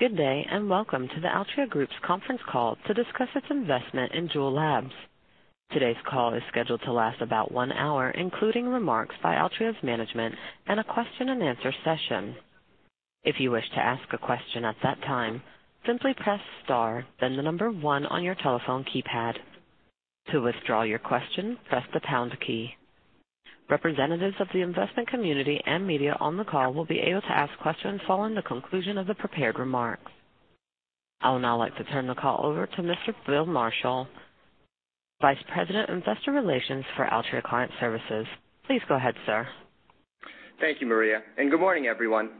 Good day, and welcome to the Altria Group's conference call to discuss its investment in JUUL Labs. Today's call is scheduled to last about one hour, including remarks by Altria's management and a question and answer session. If you wish to ask a question at that time, simply press star, then the number one on your telephone keypad. To withdraw your question, press the pound key. Representatives of the investment community and media on the call will be able to ask questions following the conclusion of the prepared remarks. I would now like to turn the call over to Mr. Bill Marshall, Vice President, Investor Relations for Altria Client Services. Please go ahead, sir. Thank you, Maria, good morning, everyone.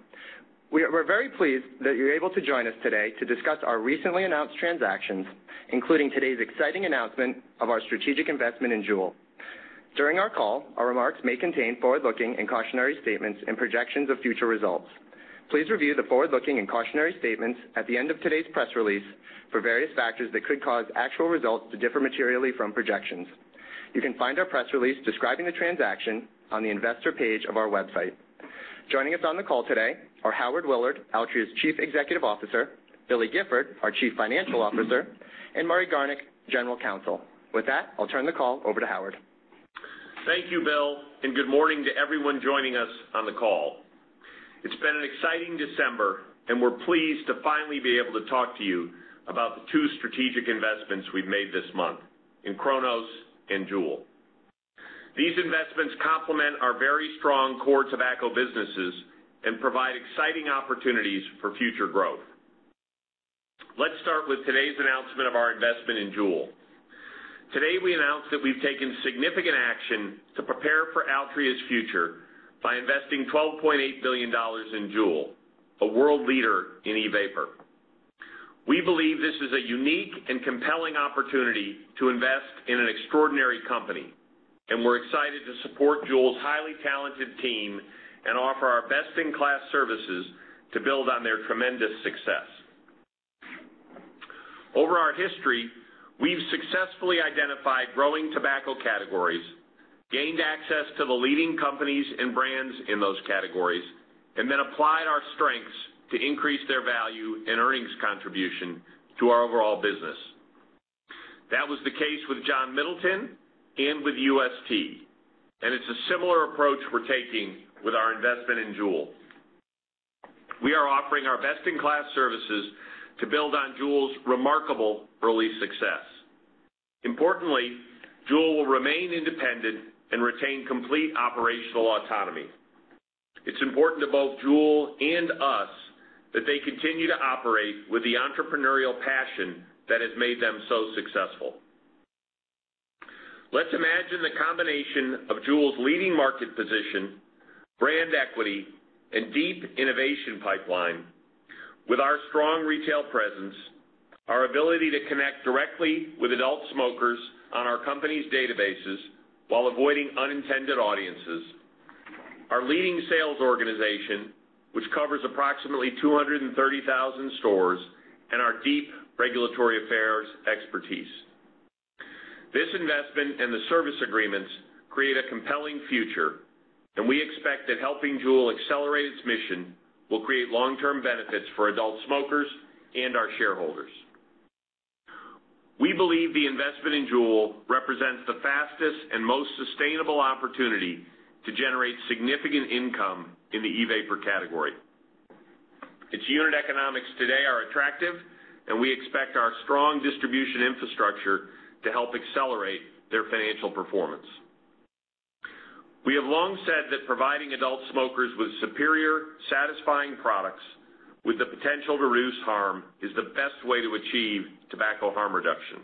We're very pleased that you're able to join us today to discuss our recently announced transactions, including today's exciting announcement of our strategic investment in JUUL. During our call, our remarks may contain forward-looking and cautionary statements and projections of future results. Please review the forward-looking and cautionary statements at the end of today's press release for various factors that could cause actual results to differ materially from projections. You can find our press release describing the transaction on the investor page of our website. Joining us on the call today are Howard Willard, Altria's Chief Executive Officer, Billy Gifford, our Chief Financial Officer, and Murray Garnick, General Counsel. With that, I'll turn the call over to Howard. Thank you, Bill, good morning to everyone joining us on the call. It's been an exciting December. We're pleased to finally be able to talk to you about the two strategic investments we've made this month in Cronos and JUUL. These investments complement our very strong core tobacco businesses and provide exciting opportunities for future growth. Let's start with today's announcement of our investment in JUUL. Today, we announced that we've taken significant action to prepare for Altria's future by investing $12.8 billion in JUUL, a world leader in e-vapor. We believe this is a unique and compelling opportunity to invest in an extraordinary company. We're excited to support JUUL's highly talented team and offer our best-in-class services to build on their tremendous success. Over our history, we've successfully identified growing tobacco categories, gained access to the leading companies and brands in those categories. Then applied our strengths to increase their value and earnings contribution to our overall business. That was the case with John Middleton and with UST. It's a similar approach we're taking with our investment in JUUL. We are offering our best-in-class services to build on JUUL's remarkable early success. Importantly, JUUL will remain independent and retain complete operational autonomy. It's important to both JUUL and us that they continue to operate with the entrepreneurial passion that has made them so successful. Let's imagine the combination of JUUL's leading market position, brand equity, and deep innovation pipeline with our strong retail presence, our ability to connect directly with adult smokers on our company's databases while avoiding unintended audiences, our leading sales organization, which covers approximately 230,000 stores, and our deep regulatory affairs expertise. This investment and the service agreements create a compelling future, and we expect that helping JUUL accelerate its mission will create long-term benefits for adult smokers and our shareholders. We believe the investment in JUUL represents the fastest and most sustainable opportunity to generate significant income in the e-vapor category. Its unit economics today are attractive and we expect our strong distribution infrastructure to help accelerate their financial performance. We have long said that providing adult smokers with superior, satisfying products with the potential to reduce harm is the best way to achieve tobacco harm reduction.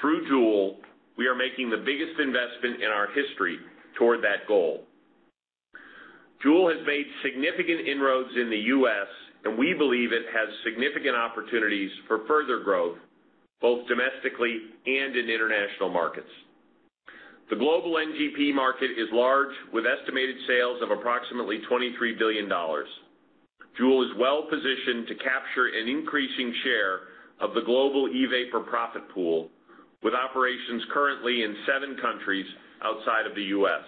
Through JUUL, we are making the biggest investment in our history toward that goal. JUUL has made significant inroads in the U.S., and we believe it has significant opportunities for further growth both domestically and in international markets. The global NGP market is large with estimated sales of approximately $23 billion. JUUL is well positioned to capture an increasing share of the global e-vapor profit pool with operations currently in seven countries outside of the U.S.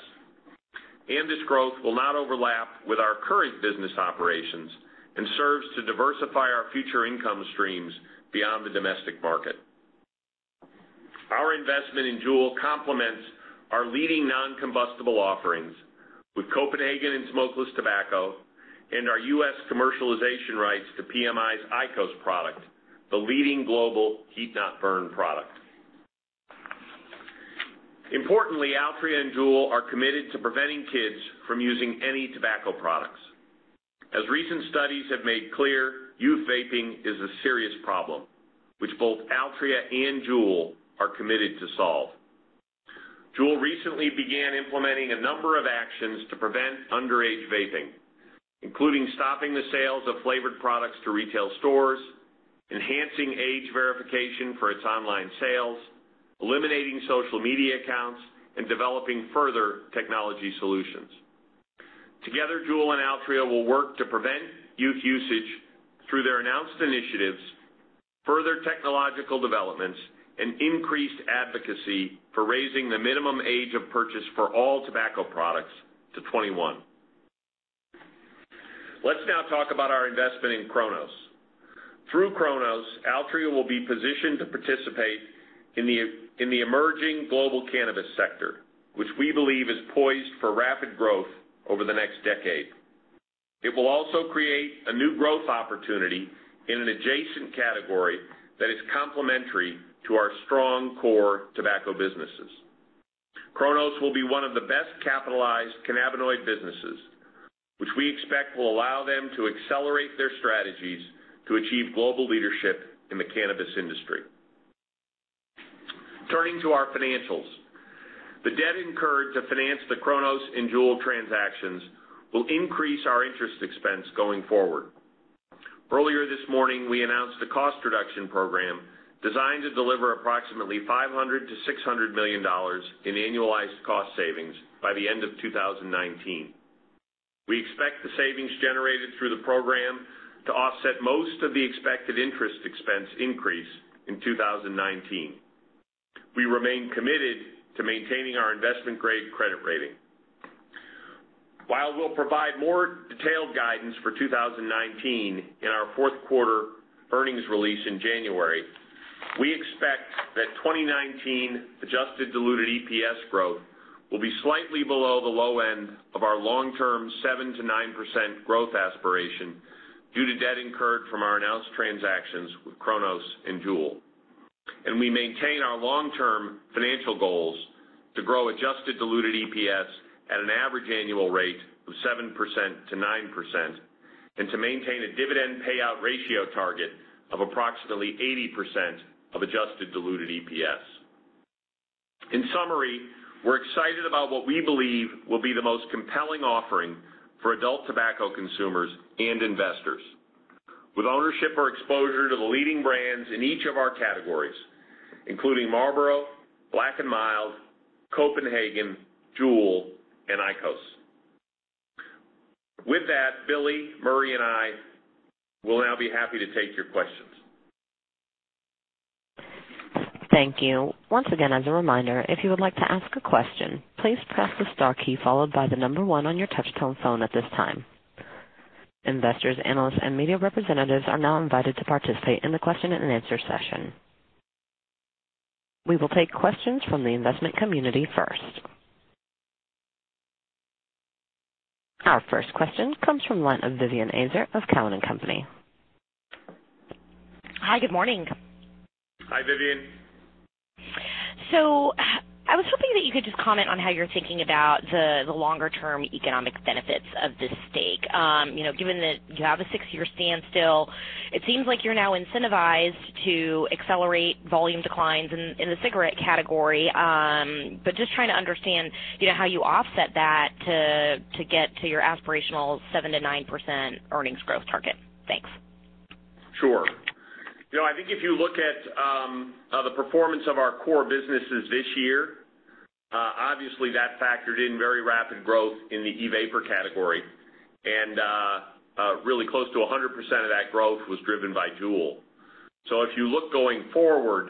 This growth will not overlap with our current business operations and serves to diversify our future income streams beyond the domestic market. Our investment in JUUL complements our leading non-combustible offerings with Copenhagen and smokeless tobacco and our U.S. commercialization rights to PMI's IQOS product, the leading global heat-not-burn product. Importantly, Altria and JUUL are committed to preventing kids from using any tobacco products. As recent studies have made clear, youth vaping is a serious problem which both Altria and JUUL are committed to solve. JUUL recently began implementing a number of actions to prevent underage vaping, including stopping the sales of flavored products to retail stores, enhancing age verification for its online sales, eliminating social media accounts, and developing further technology solutions. Together, JUUL and Altria will work to prevent youth usage through their announced initiatives Further technological developments and increased advocacy for raising the minimum age of purchase for all tobacco products to 21. Let's now talk about our investment in Cronos. Through Cronos, Altria will be positioned to participate in the emerging global cannabis sector, which we believe is poised for rapid growth over the next decade. It will also create a new growth opportunity in an adjacent category that is complementary to our strong core tobacco businesses. Cronos will be one of the best capitalized cannabinoid businesses, which we expect will allow them to accelerate their strategies to achieve global leadership in the cannabis industry. Turning to our financials. The debt incurred to finance the Cronos and JUUL transactions will increase our interest expense going forward. Earlier this morning, we announced a cost reduction program designed to deliver approximately $500 million-$600 million in annualized cost savings by the end of 2019. We expect the savings generated through the program to offset most of the expected interest expense increase in 2019. We remain committed to maintaining our investment-grade credit rating. While we'll provide more detailed guidance for 2019 in our fourth quarter earnings release in January, we expect that 2019 adjusted diluted EPS growth will be slightly below the low end of our long-term 7%-9% growth aspiration due to debt incurred from our announced transactions with Cronos and JUUL. We maintain our long-term financial goals to grow adjusted diluted EPS at an average annual rate of 7%-9% and to maintain a dividend payout ratio target of approximately 80% of adjusted diluted EPS. In summary, we're excited about what we believe will be the most compelling offering for adult tobacco consumers and investors. With ownership or exposure to the leading brands in each of our categories, including Marlboro, Black & Mild, Copenhagen, JUUL, and IQOS. With that, Billy, Murray, and I will now be happy to take your questions. Thank you. Once again, as a reminder, if you would like to ask a question, please press the star key followed by the number one on your touch-tone phone at this time. Investors, analysts, and media representatives are now invited to participate in the question and answer session. We will take questions from the investment community first. Our first question comes from the line of Vivien Azer of Cowen and Company. Hi, good morning. Hi, Vivien. I was hoping that you could just comment on how you're thinking about the longer-term economic benefits of this stake. Given that you have a six-year standstill, it seems like you're now incentivized to accelerate volume declines in the cigarette category. Just trying to understand how you offset that to get to your aspirational 7%-9% earnings growth target. Thanks. Sure. I think if you look at the performance of our core businesses this year, obviously that factored in very rapid growth in the e-vapor category, and really close to 100% of that growth was driven by JUUL. If you look going forward,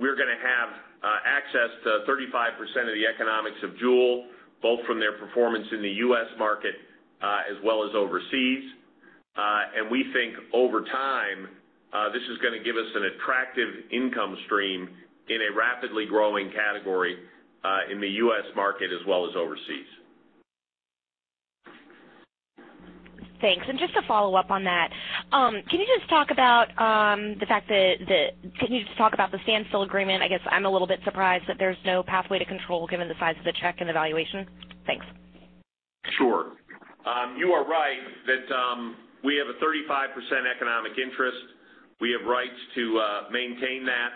we're going to have access to 35% of the economics of JUUL, both from their performance in the U.S. market as well as overseas. We think over time, this is going to give us an attractive income stream in a rapidly growing category, in the U.S. market as well as overseas. Thanks. Just to follow up on that, can you just talk about the standstill agreement? I guess I'm a little bit surprised that there's no pathway to control given the size of the check and the valuation. Thanks. Sure. You are right that we have a 35% economic interest. We have rights to maintain that.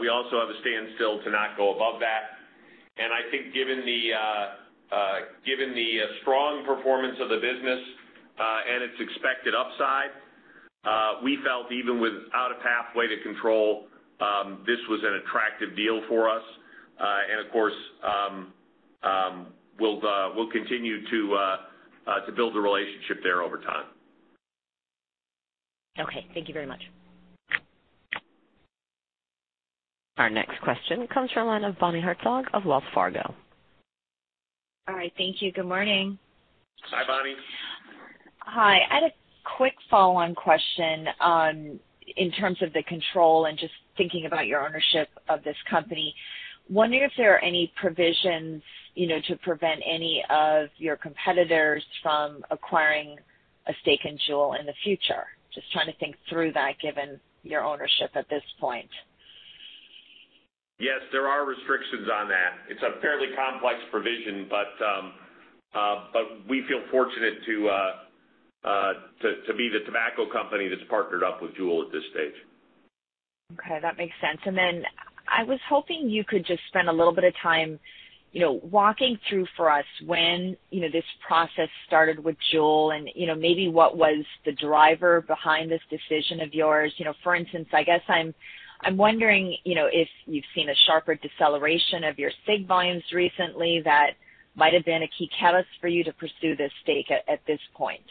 We also have a standstill to not go above that. I think given the strong performance of the business and its expected upside, we felt even without a pathway to control, this was an attractive deal for us. Of course, we'll continue to build the relationship there over time. Okay. Thank you very much. Our next question comes from the line of Bonnie Herzog of Wells Fargo. All right. Thank you. Good morning. Hi, Bonnie. Hi. I had a quick follow-on question on, in terms of the control and just thinking about your ownership of this company. Wondering if there are any provisions to prevent any of your competitors from acquiring a stake in JUUL in the future. Just trying to think through that given your ownership at this point. Yes, there are restrictions on that. It's a fairly complex provision, we feel fortunate to be the tobacco company that's partnered up with JUUL at this stage. Okay, that makes sense. I was hoping you could just spend a little bit of time walking through for us when this process started with JUUL and maybe what was the driver behind this decision of yours. For instance, I guess I'm wondering if you've seen a sharper deceleration of your cig volumes recently that might have been a key catalyst for you to pursue this stake at this point.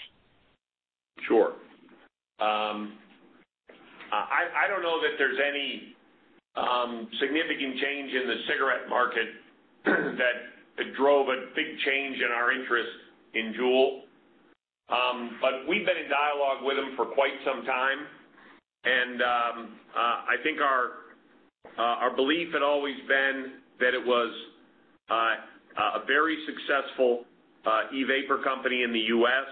Sure. There's any significant change in the cigarette market that drove a big change in our interest in JUUL. We've been in dialogue with them for quite some time, I think our belief had always been that it was a very successful e-vapor company in the U.S.,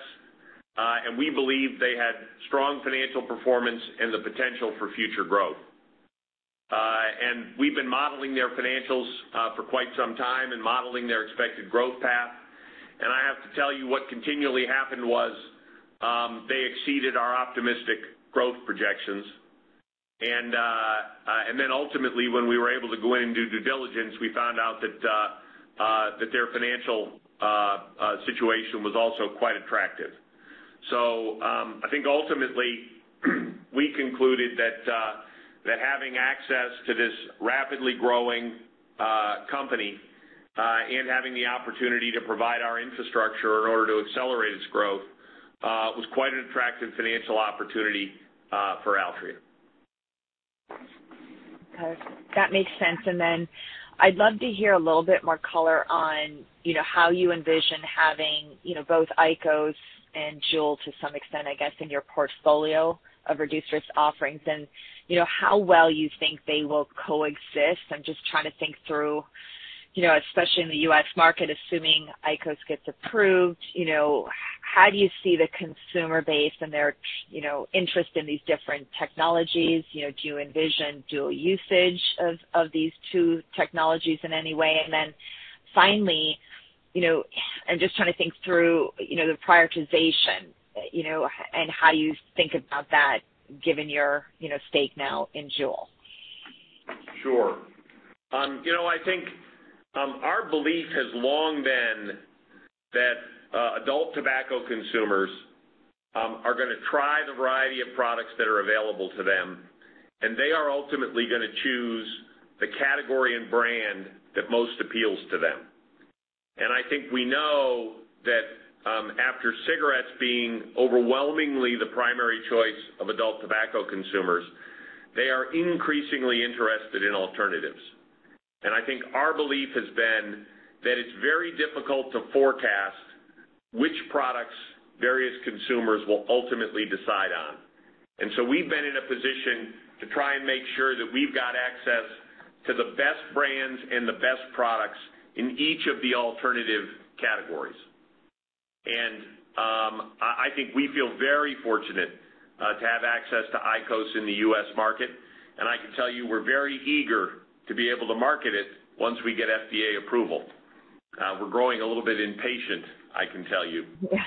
we believe they had strong financial performance and the potential for future growth. We've been modeling their financials for quite some time and modeling their expected growth path. I have to tell you what continually happened was, they exceeded our optimistic growth projections. Ultimately, when we were able to go in and do due diligence, we found out that their financial situation was also quite attractive. I think ultimately, we concluded that having access to this rapidly growing company and having the opportunity to provide our infrastructure in order to accelerate its growth, was quite an attractive financial opportunity for Altria. Okay. That makes sense. I'd love to hear a little bit more color on how you envision having both IQOS and JUUL to some extent, I guess, in your portfolio of reduced-risk offerings and how well you think they will coexist. I'm just trying to think through, especially in the U.S. Market, assuming IQOS gets approved, how do you see the consumer base and their interest in these different technologies? Do you envision dual usage of these two technologies in any way? Finally, I'm just trying to think through the prioritization, and how you think about that given your stake now in JUUL. Sure. I think our belief has long been that adult tobacco consumers are going to try the variety of products that are available to them, and they are ultimately going to choose the category and brand that most appeals to them. I think we know that after cigarettes being overwhelmingly the primary choice of adult tobacco consumers, they are increasingly interested in alternatives. I think our belief has been that it's very difficult to forecast which products various consumers will ultimately decide on. We've been in a position to try and make sure that we've got access to the best brands and the best products in each of the alternative categories. I think we feel very fortunate to have access to IQOS in the U.S. market, and I can tell you we're very eager to be able to market it once we get FDA approval. We're growing a little bit impatient, I can tell you. Yeah.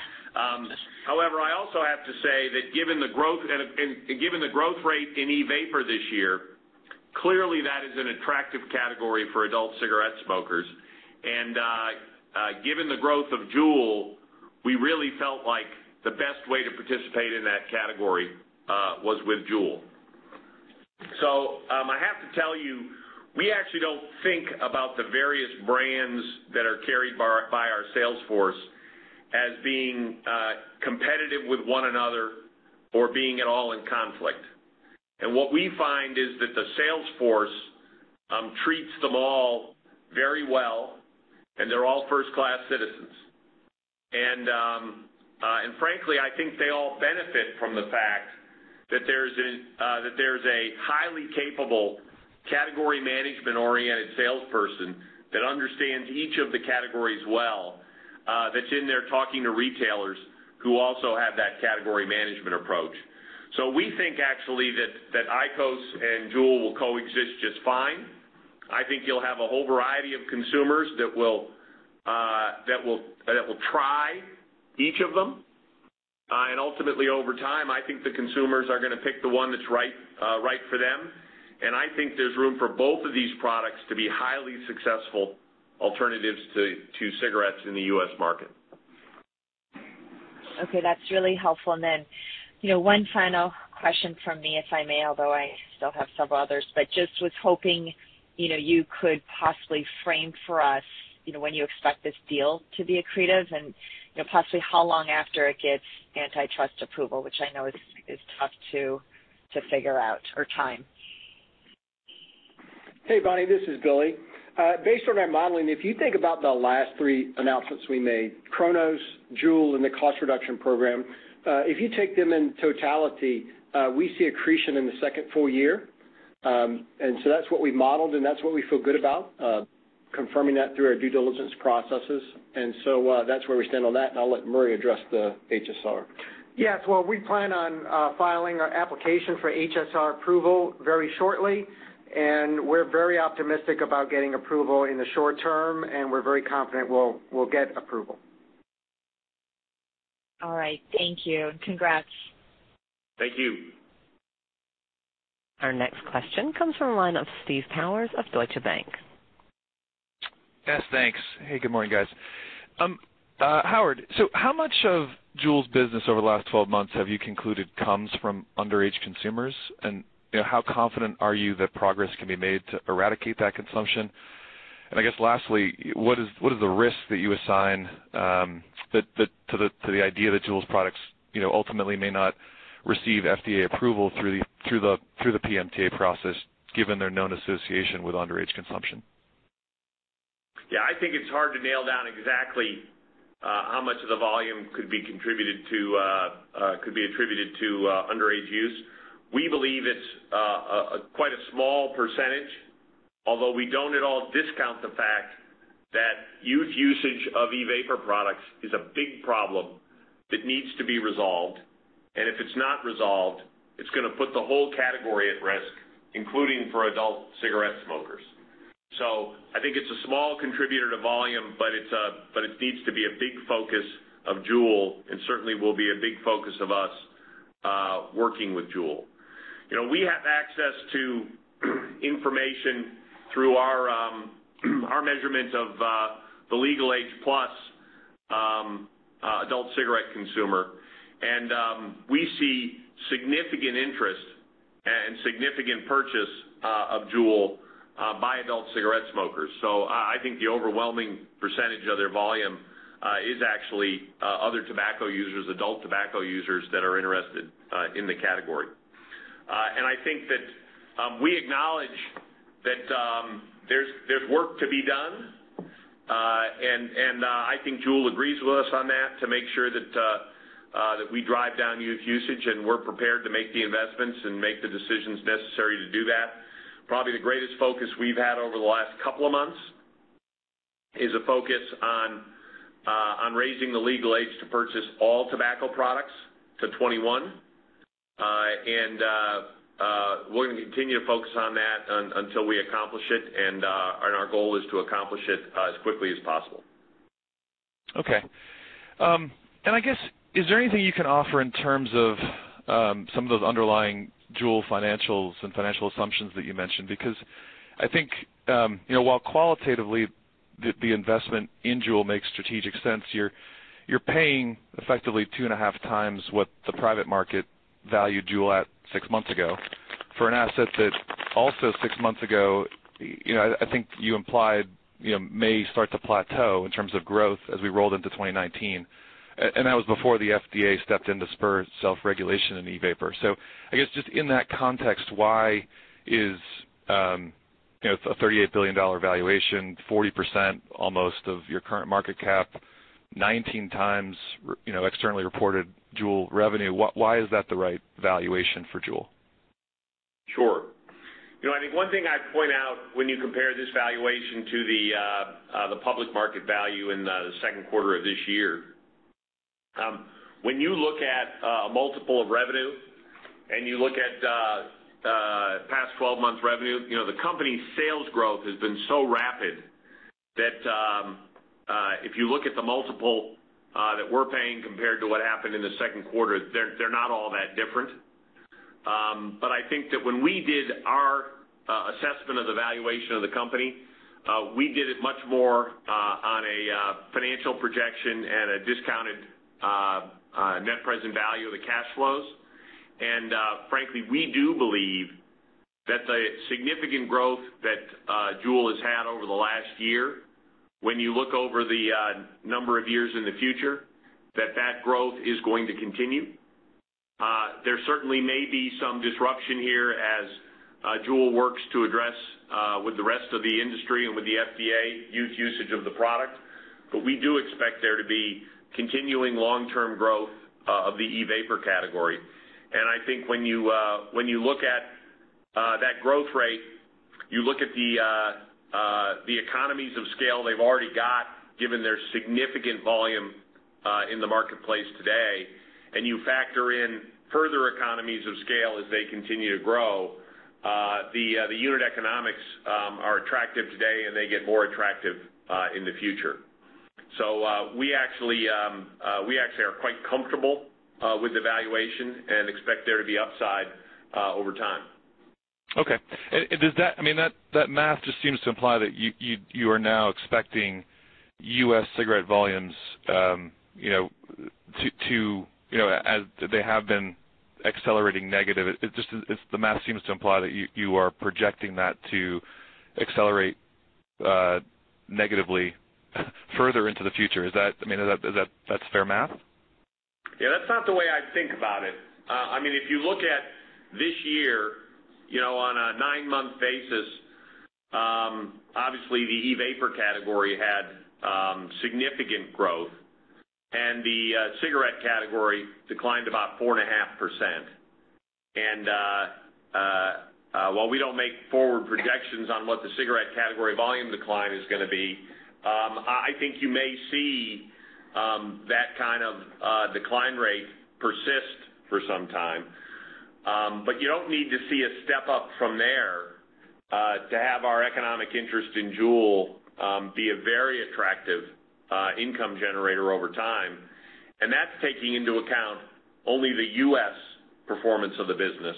However, I also have to say that given the growth rate in e-vapor this year, clearly that is an attractive category for adult cigarette smokers. Given the growth of JUUL, we really felt like the best way to participate in that category was with JUUL. I have to tell you, we actually don't think about the various brands that are carried by our sales force as being competitive with one another or being at all in conflict. What we find is that the sales force treats them all very well, and they're all first-class citizens. Frankly, I think they all benefit from the fact that there's a highly capable category management-oriented salesperson that understands each of the categories well, that's in there talking to retailers who also have that category management approach. We think actually that IQOS and JUUL will coexist just fine. I think you'll have a whole variety of consumers that will try each of them. Ultimately, over time, I think the consumers are going to pick the one that's right for them. I think there's room for both of these products to be highly successful alternatives to cigarettes in the U.S. market. Okay. That's really helpful. Then, one final question from me, if I may, although I still have several others, but just was hoping you could possibly frame for us when you expect this deal to be accretive and possibly how long after it gets antitrust approval, which I know is tough to figure out, or time. Hey, Bonnie, this is Billy. Based on our modeling, if you think about the last three announcements we made, Cronos, JUUL, and the cost reduction program, if you take them in totality, we see accretion in the second full year. That's what we modeled, and that's what we feel good about confirming that through our due diligence processes. That's where we stand on that, and I'll let Murray address the HSR. Yes. Well, we plan on filing our application for HSR approval very shortly. We're very optimistic about getting approval in the short term. We're very confident we'll get approval. All right. Thank you. Congrats. Thank you. Our next question comes from the line of Steve Powers of Deutsche Bank. Yes, thanks. Hey, good morning, guys. Howard, how much of JUUL's business over the last 12 months have you concluded comes from underage consumers? How confident are you that progress can be made to eradicate that consumption? I guess lastly, what is the risk that you assign to the idea that JUUL's products ultimately may not receive FDA approval through the PMTA process, given their known association with underage consumption? Yeah, I think it's hard to nail down exactly how much of the volume could be attributed to underage use. We believe it's quite a small percentage, although we don't at all discount the fact that youth usage of e-vapor products is a big problem that needs to be resolved, and if it's not resolved, it's going to put the whole category at risk, including for adult cigarette smokers. I think it's a small contributor to volume, but it needs to be a big focus of JUUL, and certainly will be a big focus of us working with JUUL. We have access to information through our measurements of the legal age plus adult cigarette consumer, and we see significant interest and significant purchase of JUUL by adult cigarette smokers. I think the overwhelming percentage of their volume is actually other tobacco users, adult tobacco users that are interested in the category. I think that we acknowledge that there's work to be done, and I think JUUL agrees with us on that to make sure that we drive down youth usage, and we're prepared to make the investments and make the decisions necessary to do that. Probably the greatest focus we've had over the last couple of months is a focus on raising the legal age to purchase all tobacco products to 21. We're going to continue to focus on that until we accomplish it, and our goal is to accomplish it as quickly as possible. Okay. I guess, is there anything you can offer in terms of some of those underlying JUUL financials and financial assumptions that you mentioned? Because I think while qualitatively the investment in JUUL makes strategic sense, you're paying effectively 2.5x what the private market valued JUUL at six months ago for an asset that also six months ago, I think you implied may start to plateau in terms of growth as we rolled into 2019. That was before the FDA stepped in to spur self-regulation in e-vapor. I guess just in that context, why is a $38 billion valuation, 40% almost of your current market cap, 19x externally reported JUUL revenue, why is that the right valuation for JUUL? Sure. I think one thing I'd point out when you compare this valuation to the public market value in the second quarter of this year, when you look at a multiple of revenue and you look at past 12 months revenue, the company's sales growth has been so rapid that if you look at the multiple that we're paying compared to what happened in the second quarter, they're not all that different. I think that when we did our assessment of the valuation of the company, we did it much more on a financial projection and a discounted net present value of the cash flows. Frankly, we do believe that the significant growth that JUUL has had over the last year, when you look over the number of years in the future, that that growth is going to continue. There certainly may be some disruption here as JUUL works to address with the rest of the industry and with the FDA youth usage of the product. We do expect there to be continuing long-term growth of the e-vapor category. I think when you look at that growth rate, you look at the economies of scale they've already got given their significant volume in the marketplace today, and you factor in further economies of scale as they continue to grow, the unit economics are attractive today, and they get more attractive in the future. We actually are quite comfortable with the valuation and expect there to be upside over time. Okay. That math just seems to imply that you are now expecting U.S. cigarette volumes as they have been accelerating negative. The math seems to imply that you are projecting that to accelerate negatively further into the future. Is that fair math? Yeah, that's not the way I think about it. If you look at this year on a nine-month basis, obviously, the e-vapor category had significant growth and the cigarette category declined about 4.5%. While we don't make forward projections on what the cigarette category volume decline is going to be, I think you may see that kind of decline rate persist for some time. You don't need to see a step up from there, to have our economic interest in JUUL be a very attractive income generator over time. That's taking into account only the U.S. performance of the business.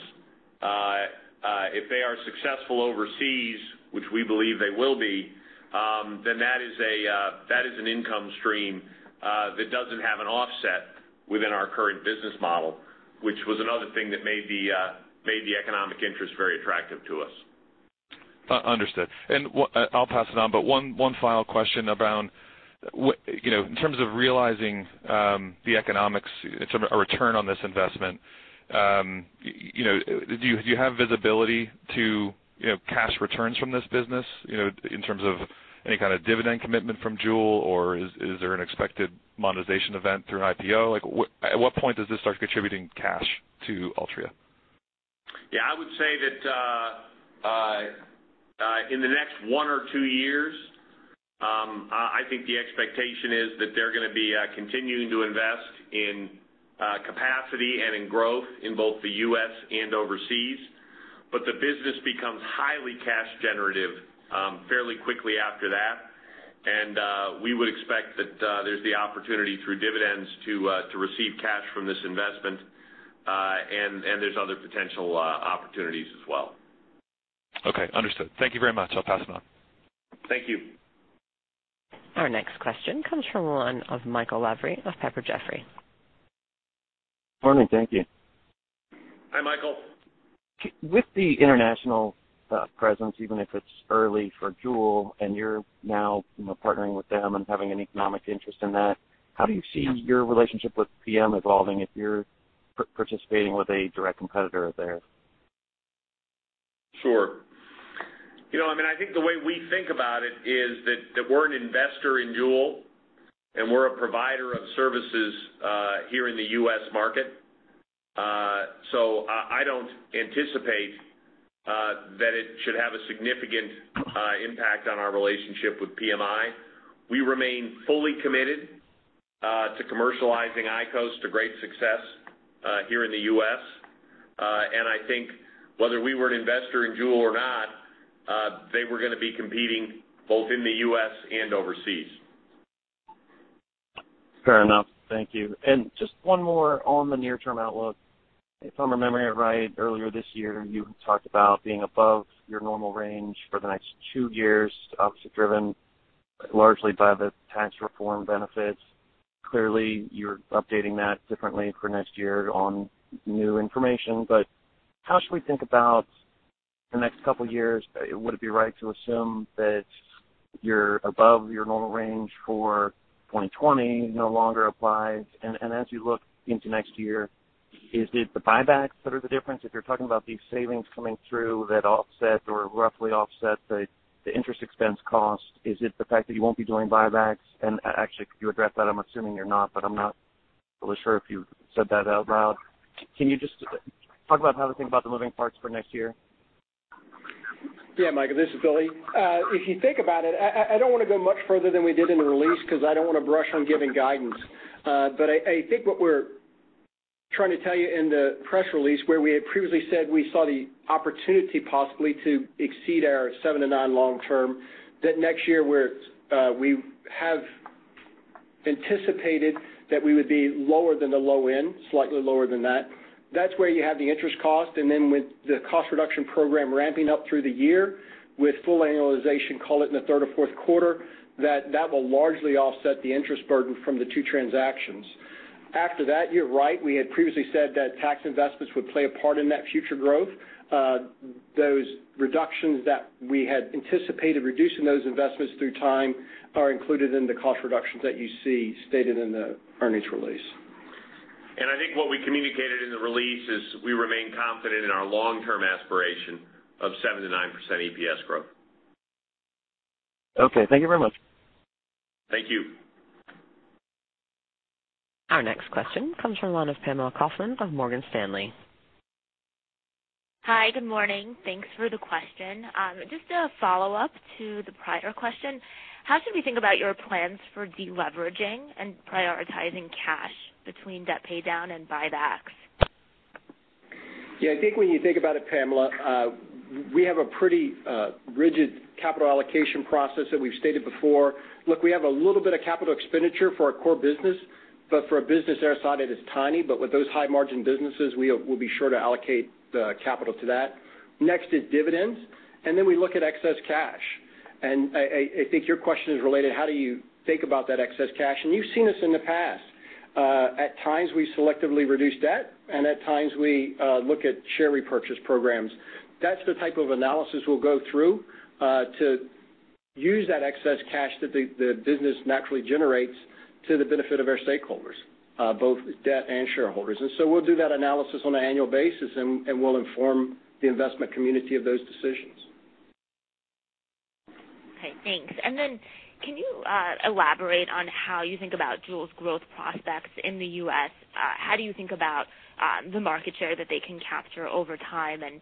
If they are successful overseas, which we believe they will be, then that is an income stream that doesn't have an offset within our current business model, which was another thing that made the economic interest very attractive to us. Understood. I'll pass it on, one final question around in terms of realizing the economics, a return on this investment, do you have visibility to cash returns from this business in terms of any kind of dividend commitment from JUUL? Or is there an expected monetization event through an IPO? At what point does this start contributing cash to Altria? Yeah, I would say that in the next one or two years, I think the expectation is that they're going to be continuing to invest in capacity and in growth in both the U.S. and overseas. The business becomes highly cash generative fairly quickly after that. We would expect that there's the opportunity through dividends to receive cash from this investment, and there's other potential opportunities as well. Okay, understood. Thank you very much. I'll pass it on. Thank you. Our next question comes from the line of Michael Lavery of Piper Jaffray. Morning. Thank you. Hi, Michael. With the international presence, even if it's early for JUUL and you're now partnering with them and having an economic interest in that, how do you see your relationship with PM evolving if you're participating with a direct competitor there? Sure. I think the way we think about it is that we're an investor in JUUL, and we're a provider of services here in the U.S. market. I don't anticipate that it should have a significant impact on our relationship with PMI. We remain fully committed to commercializing IQOS to great success here in the U.S. I think whether we were an investor in JUUL or not, they were going to be competing both in the U.S. and overseas. Fair enough. Thank you. Just one more on the near-term outlook. If I'm remembering it right, earlier this year, you talked about being above your normal range for the next two years, obviously driven largely by the tax reform benefits. Clearly, you're updating that differently for next year on new information. How should we think about the next couple of years? Would it be right to assume that you're above your normal range for 2020 no longer applies? As you look into next year, is it the buybacks that are the difference? If you're talking about these savings coming through that offset or roughly offset the interest expense cost, is it the fact that you won't be doing buybacks? Actually, could you address that? I'm assuming you're not, but I'm not really sure if you said that out loud. Can you just talk about how to think about the moving parts for next year? Yeah, Michael, this is Billy. If you think about it, I don't want to go much further than we did in the release because I don't want to brush on giving guidance. I think what we're trying to tell you in the press release where we had previously said we saw the opportunity possibly to exceed our 7%-9% long term, that next year we have anticipated that we would be lower than the low end, slightly lower than that. That's where you have the interest cost, then with the cost reduction program ramping up through the year with full annualization, call it in the third or fourth quarter, that that will largely offset the interest burden from the two transactions. After that, you're right. We had previously said that tax investments would play a part in that future growth. Those reductions that we had anticipated reducing those investments through time are included in the cost reductions that you see stated in the earnings release. I think what we communicated in the release is we remain confident in our long-term aspiration of 7%-9% EPS growth. Okay. Thank you very much. Thank you. Our next question comes from the line of Pamela Kaufman of Morgan Stanley. Hi, good morning. Thanks for the question. Just a follow-up to the prior question. How should we think about your plans for de-leveraging and prioritizing cash between debt paydown and buybacks? Yeah, I think when you think about it, Pamela, we have a pretty rigid capital allocation process that we've stated before. Look, we have a little bit of capital expenditure for our core business, but for a business our size, it is tiny. With those high margin businesses, we'll be sure to allocate the capital to that. Next is dividends, then we look at excess cash. I think your question is related, how do you think about that excess cash? You've seen us in the past. At times, we selectively reduce debt, and at times, we look at share repurchase programs. That's the type of analysis we'll go through to use that excess cash that the business naturally generates to the benefit of our stakeholders, both debt and shareholders. We'll do that analysis on an annual basis, and we'll inform the investment community of those decisions. Okay, thanks. Then can you elaborate on how you think about JUUL's growth prospects in the U.S.? How do you think about the market share that they can capture over time and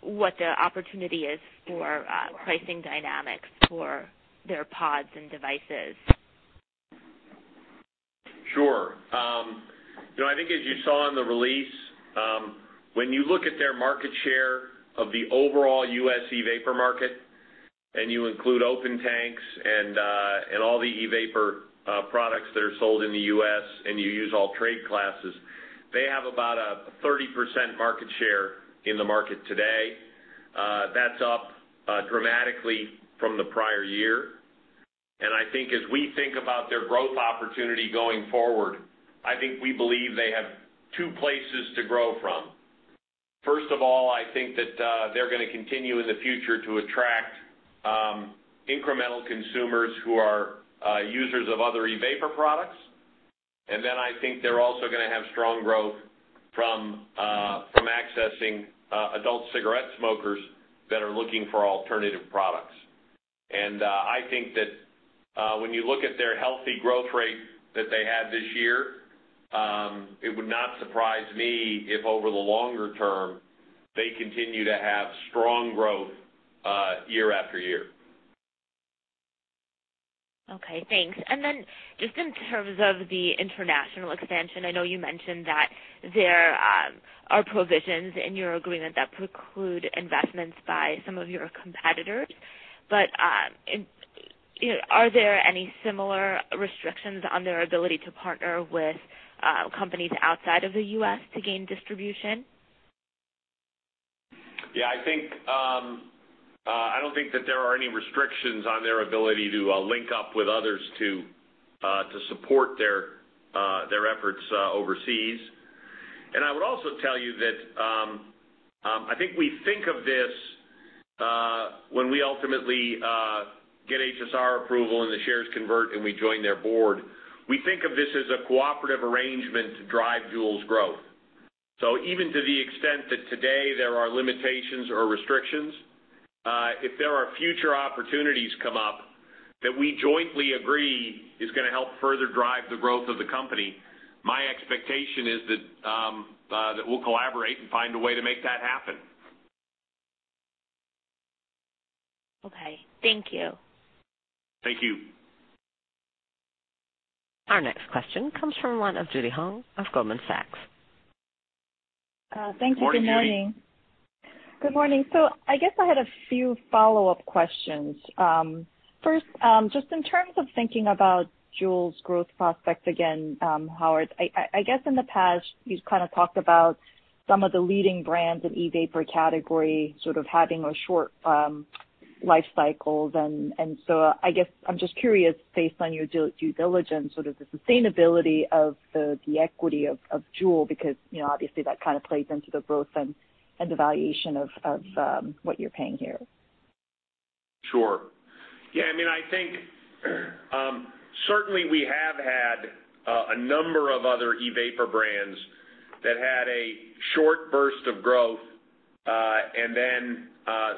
what the opportunity is for pricing dynamics for their pods and devices? Sure. I think as you saw in the release, when you look at their market share of the overall U.S. e-vapor market and you include open tanks and all the e-vapor products that are sold in the U.S. and you use all trade classes, they have about a 30% market share in the market today. That's up directly from the prior year. I think as we think about their growth opportunity going forward, I think we believe they have two places to grow from. First of all, I think that they're going to continue in the future to attract incremental consumers who are users of other e-vapor products, and then I think they're also going to have strong growth from accessing adult cigarette smokers that are looking for alternative products. I think that when you look at their healthy growth rate that they had this year, it would not surprise me if over the longer term, they continue to have strong growth year after year. Okay, thanks. Then just in terms of the international expansion, I know you mentioned that there are provisions in your agreement that preclude investments by some of your competitors, but are there any similar restrictions on their ability to partner with companies outside of the U.S. to gain distribution? Yeah, I don't think that there are any restrictions on their ability to link up with others to support their efforts overseas. I would also tell you that, I think we think of this, when we ultimately get HSR approval and the shares convert, and we join their board, we think of this as a cooperative arrangement to drive JUUL's growth. Even to the extent that today there are limitations or restrictions, if there are future opportunities come up that we jointly agree is going to help further drive the growth of the company, my expectation is that we'll collaborate and find a way to make that happen. Okay. Thank you. Thank you. Our next question comes from the line of Judy Hong of Goldman Sachs. Morning, Judy. Thank you. Good morning. I guess I had a few follow-up questions. First, just in terms of thinking about JUUL's growth prospects again, Howard, I guess in the past, you've kind of talked about some of the leading brands in e-vapor category sort of having a short life cycles, I guess I'm just curious, based on your due diligence, sort of the sustainability of the equity of JUUL, because obviously that kind of plays into the growth and the valuation of what you're paying here. Sure. I think, certainly we have had a number of other e-vapor brands that had a short burst of growth, and then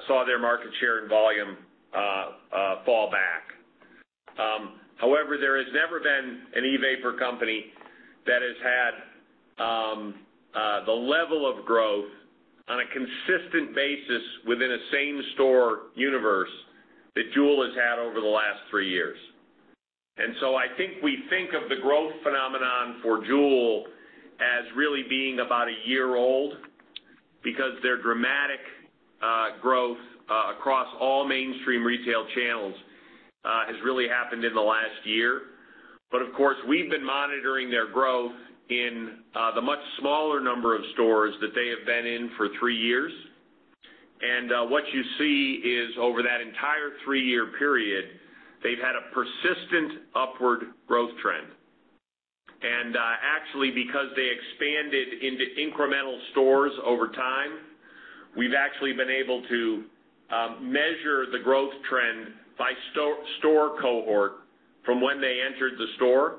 saw their market share and volume fall back. However, there has never been an e-vapor company that has had the level of growth on a consistent basis within a same store universe that JUUL has had over the last three years. I think we think of the growth phenomenon for JUUL as really being about a year old because their dramatic growth across all mainstream retail channels has really happened in the last year. Of course, we've been monitoring their growth in the much smaller number of stores that they have been in for three years. What you see is over that entire three-year period, they've had a persistent upward growth trend. Actually, because they expanded into incremental stores over time, we've actually been able to measure the growth trend by store cohort from when they entered the store.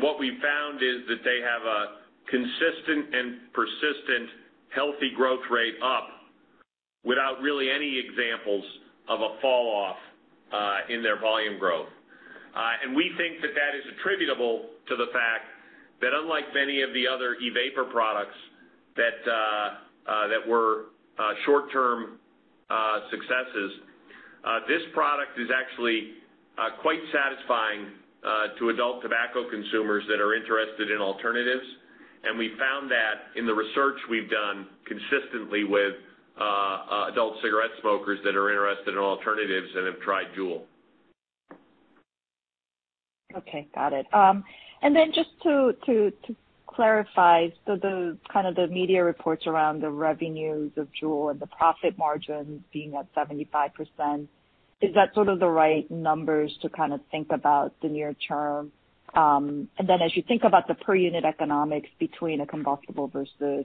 What we found is that they have a consistent and persistent healthy growth rate up without really any examples of a fall off in their volume growth. We think that that is attributable to the fact that unlike many of the other e-vapor products that were short-term successes, this product is actually quite satisfying to adult tobacco consumers that are interested in alternatives. We found that in the research we've done consistently with adult cigarette smokers that are interested in alternatives and have tried JUUL. Got it. Just to clarify, the media reports around the revenues of JUUL and the profit margins being up 75%, is that sort of the right numbers to think about the near term? As you think about the per unit economics between a combustible versus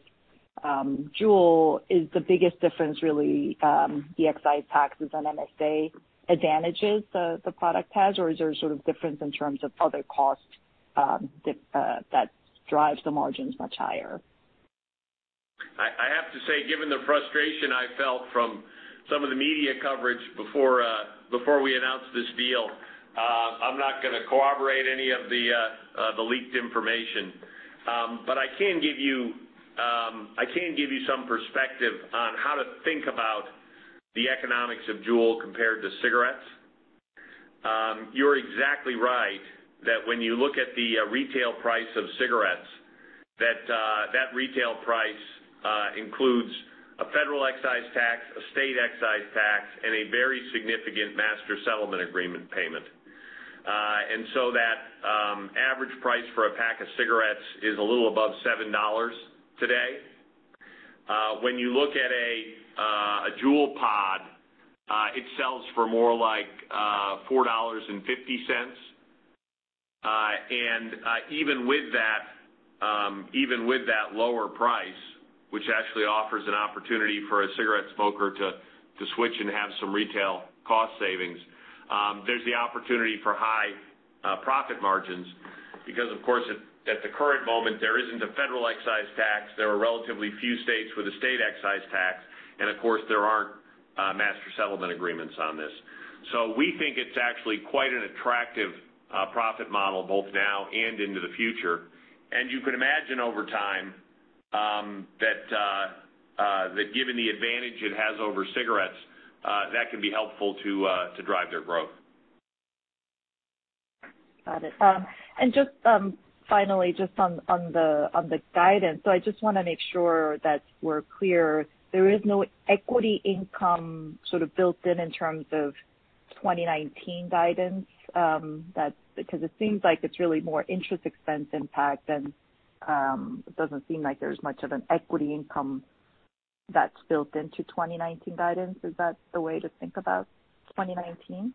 JUUL, is the biggest difference really the excise taxes on MSA advantages the product has, or is there sort of difference in terms of other costs that drives the margins much higher? I have to say, given the frustration I felt from some of the media coverage before we announced this deal, I'm not going to corroborate any of the leaked information. I can give you some perspective on how to think about the economics of JUUL compared to cigarettes. You're exactly right that when you look at the retail price of cigarettes, that retail price includes a federal excise tax, a state excise tax, and a very significant Master Settlement Agreement payment. That average price for a pack of cigarettes is a little above $7 today. When you look at a JUUL pod, it sells for more like $4.50. Even with that lower price, which actually offers an opportunity for a cigarette smoker to switch and have some retail cost savings, there's the opportunity for high profit margins, because of course, at the current moment, there isn't a federal excise tax. There are relatively few states with a state excise tax, and of course, there aren't Master Settlement Agreements on this. We think it's actually quite an attractive profit model, both now and into the future. You can imagine over time, that given the advantage it has over cigarettes, that can be helpful to drive their growth. Got it. Just on the guidance, I just want to make sure that we're clear. There is no equity income sort of built in terms of 2019 guidance? It seems like it's really more interest expense impact, and it doesn't seem like there's much of an equity income that's built into 2019 guidance. Is that the way to think about 2019?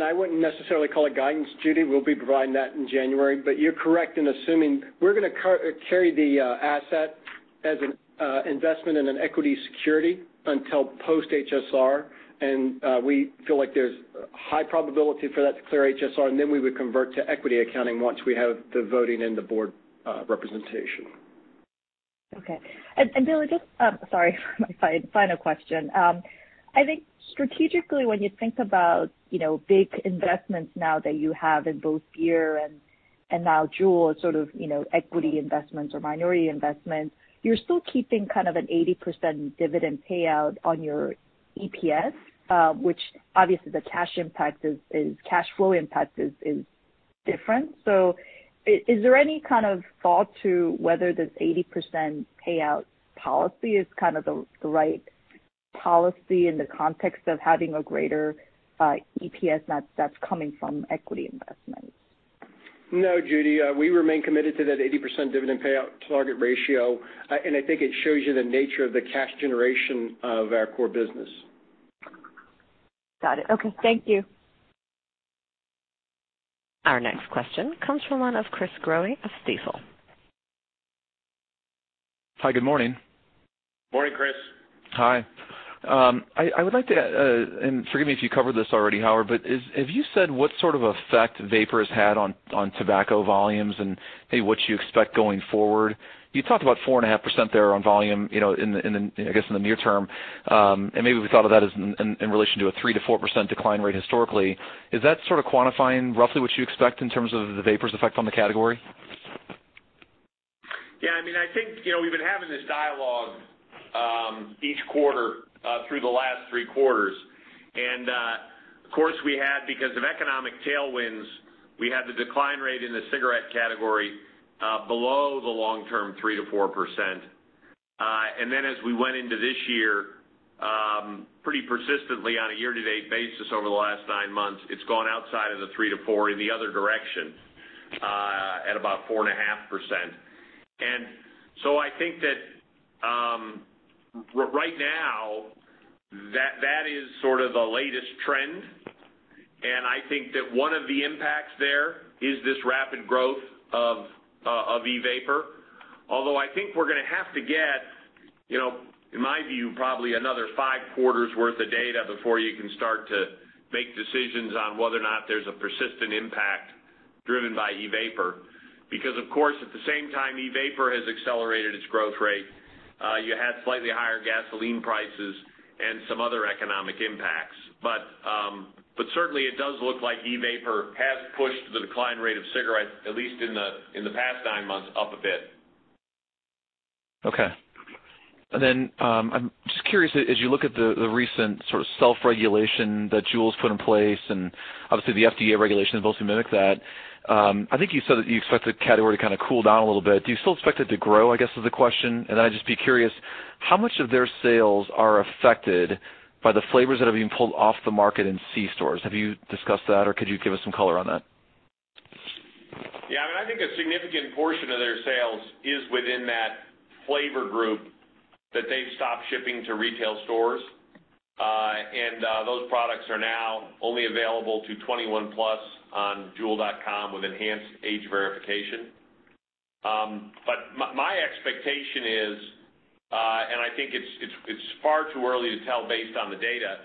I wouldn't necessarily call it guidance, Judy. We'll be providing that in January. You're correct in assuming we're going to carry the asset as an investment in an equity security until post HSR, and we feel like there's high probability for that to clear HSR, and then we would convert to equity accounting once we have the voting and the board representation. Okay. Billy, just, sorry final question. I think strategically, when you think about big investments now that you have in both Beer and now JUUL as sort of equity investments or minority investments, you're still keeping kind of an 80% dividend payout on your EPS, which obviously the cash flow impact is different. Is there any kind of thought to whether this 80% payout policy is kind of the right policy in the context of having a greater EPS that's coming from equity investments? No, Judy, we remain committed to that 80% dividend payout target ratio. I think it shows you the nature of the cash generation of our core business. Got it. Okay. Thank you. Our next question comes from one of Chris Growe of Stifel. Hi, good morning. Morning, Chris. Hi. I would like to, and forgive me if you covered this already, Howard, Have you said what sort of effect vapor has had on tobacco volumes and, A, what you expect going forward? You talked about 4.5% there on volume, I guess, in the near term. Maybe we thought of that as in relation to a 3%-4% decline rate historically. Is that sort of quantifying roughly what you expect in terms of the vapor's effect on the category? I think, we've been having this dialogue each quarter through the last three quarters. Of course, we had, because of economic tailwinds, we had the decline rate in the cigarette category below the long-term 3%-4%. As we went into this year, pretty persistently on a year-to-date basis over the last nine months, it's gone outside of the 3%-4% in the other direction, at about 4.5%. I think that right now, that is sort of the latest trend, and I think that one of the impacts there is this rapid growth of e-vapor. I think we're going to have to get, in my view, probably another five quarters worth of data before you can start to make decisions on whether or not there's a persistent impact driven by e-vapor. Of course, at the same time, e-vapor has accelerated its growth rate. You had slightly higher gasoline prices and some other economic impacts. Certainly, it does look like e-vapor has pushed the decline rate of cigarettes, at least in the past nine months, up a bit. Okay. I'm just curious, as you look at the recent sort of self-regulation that JUUL's put in place, obviously the FDA regulation is supposed to mimic that. I think you said that you expect the category to kind of cool down a little bit. Do you still expect it to grow, I guess, is the question? I'd just be curious, how much of their sales are affected by the flavors that have been pulled off the market in c-stores? Have you discussed that, or could you give us some color on that? I think a significant portion of their sales is within that flavor group that they've stopped shipping to retail stores. Those products are now only available to 21+ on juul.com with enhanced age verification. My expectation is, and I think it's far too early to tell based on the data,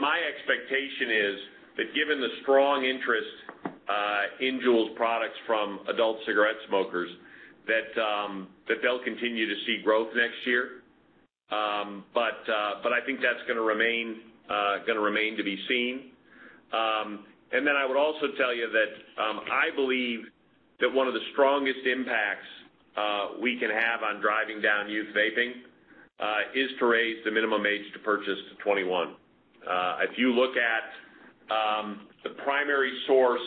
my expectation is that given the strong interest in JUUL's products from adult cigarette smokers, they'll continue to see growth next year. I think that's going to remain to be seen. I would also tell you that I believe that one of the strongest impacts we can have on driving down youth vaping, is to raise the minimum age to purchase to 21. If you look at the primary source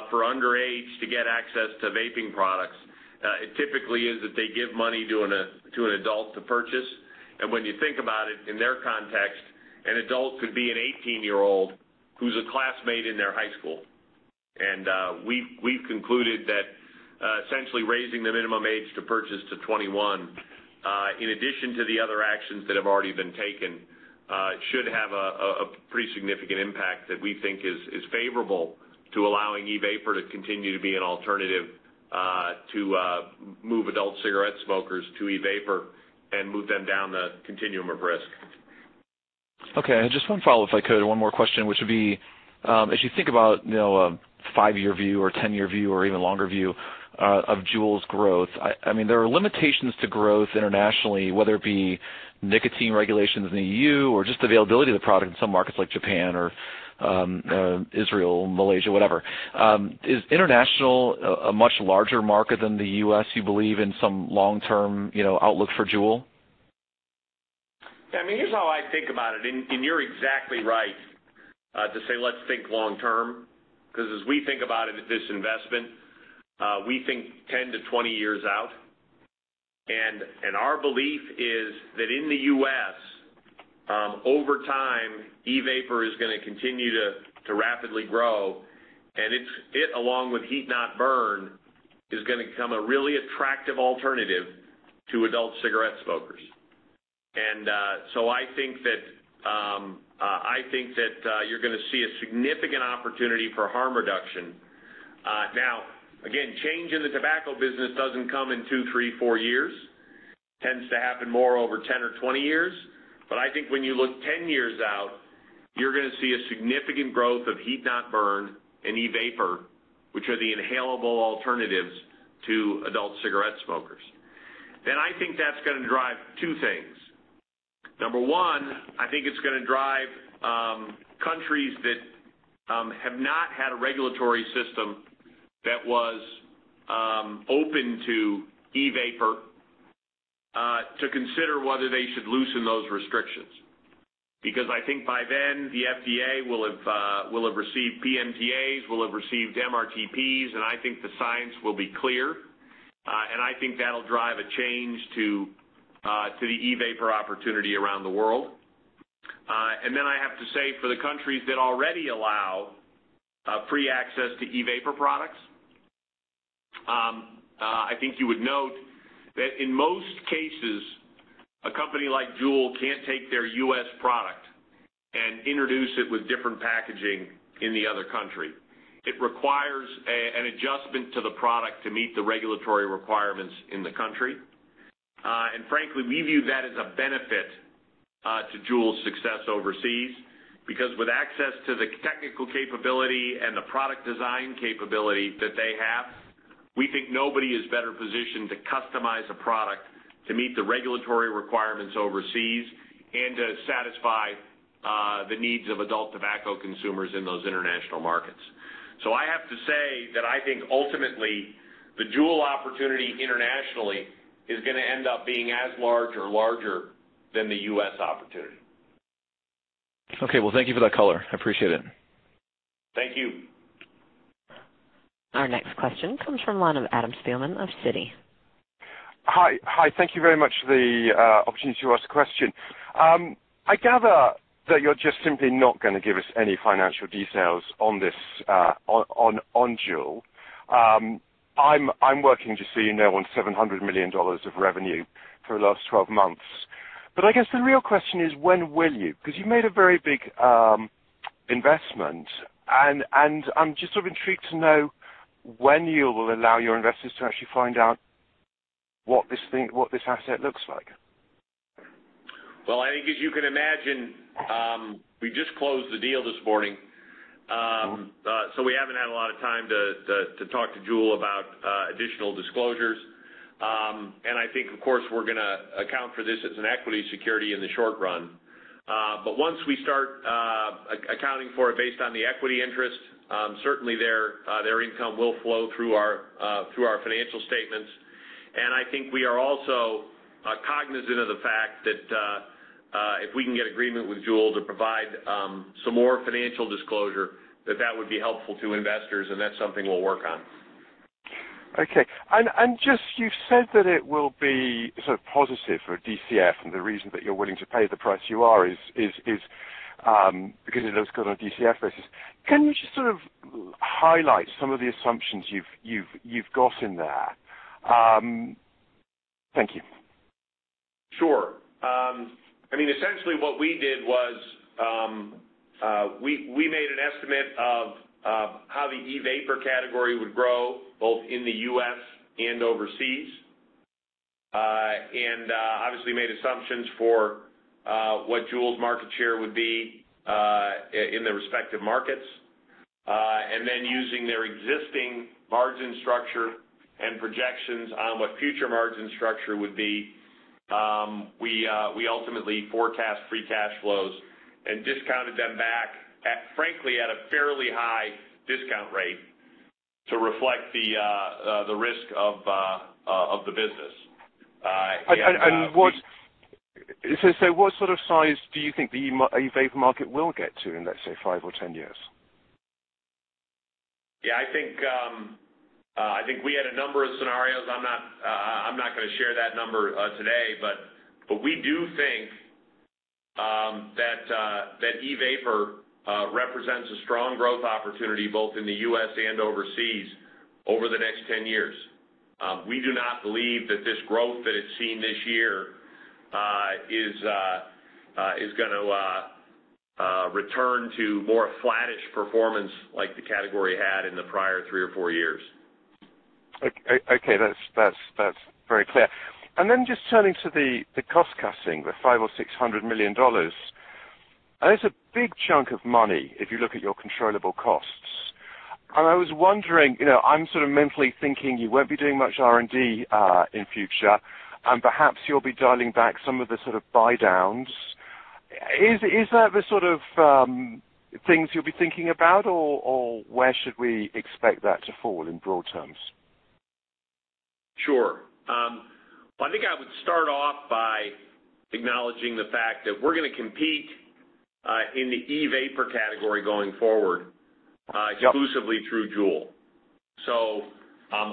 age to get access to vaping products, it typically is that they give money to an adult to purchase. When you think about it in their context, an adult could be an 18-year-old who's a classmate in their high school. We've concluded that essentially raising the minimum age to purchase to 21, in addition to the other actions that have already been taken, should have a pretty significant impact that we think is favorable to allowing e-vapor to continue to be an alternative to move adult cigarette smokers to e-vapor and move them down the continuum of risk. Okay, just one follow-up if I could, one more question, which would be, as you think about a five-year view or 10-year view or even longer view of JUUL's growth, there are limitations to growth internationally, whether it be nicotine regulations in the EU or just availability of the product in some markets like Japan or Israel, Malaysia, whatever. Is international a much larger market than the U.S. you believe in some long-term outlook for JUUL? Yeah, here's how I think about it, you're exactly right to say let's think long term, because as we think about it as this investment, we think 10 years-20 years out. Our belief is that in the U.S., over time, e-vapor is going to continue to rapidly grow, and it, along with heat-not-burn, is going to become a really attractive alternative to adult cigarette smokers. I think that you're going to see a significant opportunity for harm reduction. Now, again, change in the tobacco business doesn't come in two, three, four years. Tends to happen more over 10 or 20 years. I think when you look 10 years out, you're going to see a significant growth of heat-not-burn and e-vapor, which are the inhalable alternatives to adult cigarette smokers. I think that's going to drive two things. Number one, I think it's going to drive countries that have not had a regulatory system that was open to e-vapor to consider whether they should loosen those restrictions. Because I think by then, the FDA will have received PMTAs, will have received MRTPs, I think the science will be clear. I think that'll drive a change to the e-vapor opportunity around the world. I have to say, for the countries that already allow free access to e-vapor products, I think you would note that in most cases, a company like JUUL can't take their U.S. product and introduce it with different packaging in the other country. It requires an adjustment to the product to meet the regulatory requirements in the country. Frankly, we view that as a benefit to JUUL's success overseas, because with access to the technical capability and the product design capability that they have, we think nobody is better positioned to customize a product to meet the regulatory requirements overseas and to satisfy the needs of adult tobacco consumers in those international markets. I have to say that I think ultimately the JUUL opportunity internationally is going to end up being as large or larger than the U.S. opportunity. Thank you for that color. I appreciate it. Thank you. Our next question comes from the line of Adam Spielman of Citi. Hi. Thank you very much for the opportunity to ask a question. I gather that you're just simply not going to give us any financial details on JUUL. I'm working, just so you know, on $700 million of revenue for the last 12 months. I guess the real question is, when will you? Because you made a very big investment, and I'm just sort of intrigued to know when you will allow your investors to actually find out what this asset looks like. Well, I think as you can imagine, we just closed the deal this morning. We haven't had a lot of time to talk to JUUL about additional disclosures. I think, of course, we're going to account for this as an equity security in the short run. Once we start accounting for it based on the equity interest, certainly their income will flow through our financial statements. I think we are also cognizant of the fact that if we can get agreement with JUUL to provide some more financial disclosure, that that would be helpful to investors, and that's something we'll work on. Okay. Just you said that it will be sort of positive for DCF and the reason that you're willing to pay the price you are is because it does good on a DCF basis. Can you just sort of highlight some of the assumptions you've got in there? Thank you. Sure. Essentially what we did was, we made an estimate of how the e-vapor category would grow, both in the U.S. and overseas. Obviously made assumptions for what JUUL's market share would be in the respective markets. Using their existing margin structure and projections on what future margin structure would be, we ultimately forecast free cash flows and discounted them back, frankly, at a fairly high discount rate to reflect the risk of the business. What sort of size do you think the e-vapor market will get to in, let's say, five or 10 years? I think we had a number of scenarios. I'm not going to share that number today, but we do think that e-vapor represents a strong growth opportunity, both in the U.S. and overseas, over the next 10 years. We do not believe that this growth that it's seen this year is going to return to more flattish performance like the category had in the prior three or four years. Okay. That's very clear. Just turning to the cost cutting, the $500 million-$600 million, that is a big chunk of money if you look at your controllable costs. I was wondering, I'm sort of mentally thinking you won't be doing much R&D in future, and perhaps you'll be dialing back some of the sort of buy-downs. Is that the sort of things you'll be thinking about, or where should we expect that to fall in broad terms? Sure. Well, I think I would start off by acknowledging the fact that we're going to compete in the e-vapor category going forward- Yep exclusively through JUUL.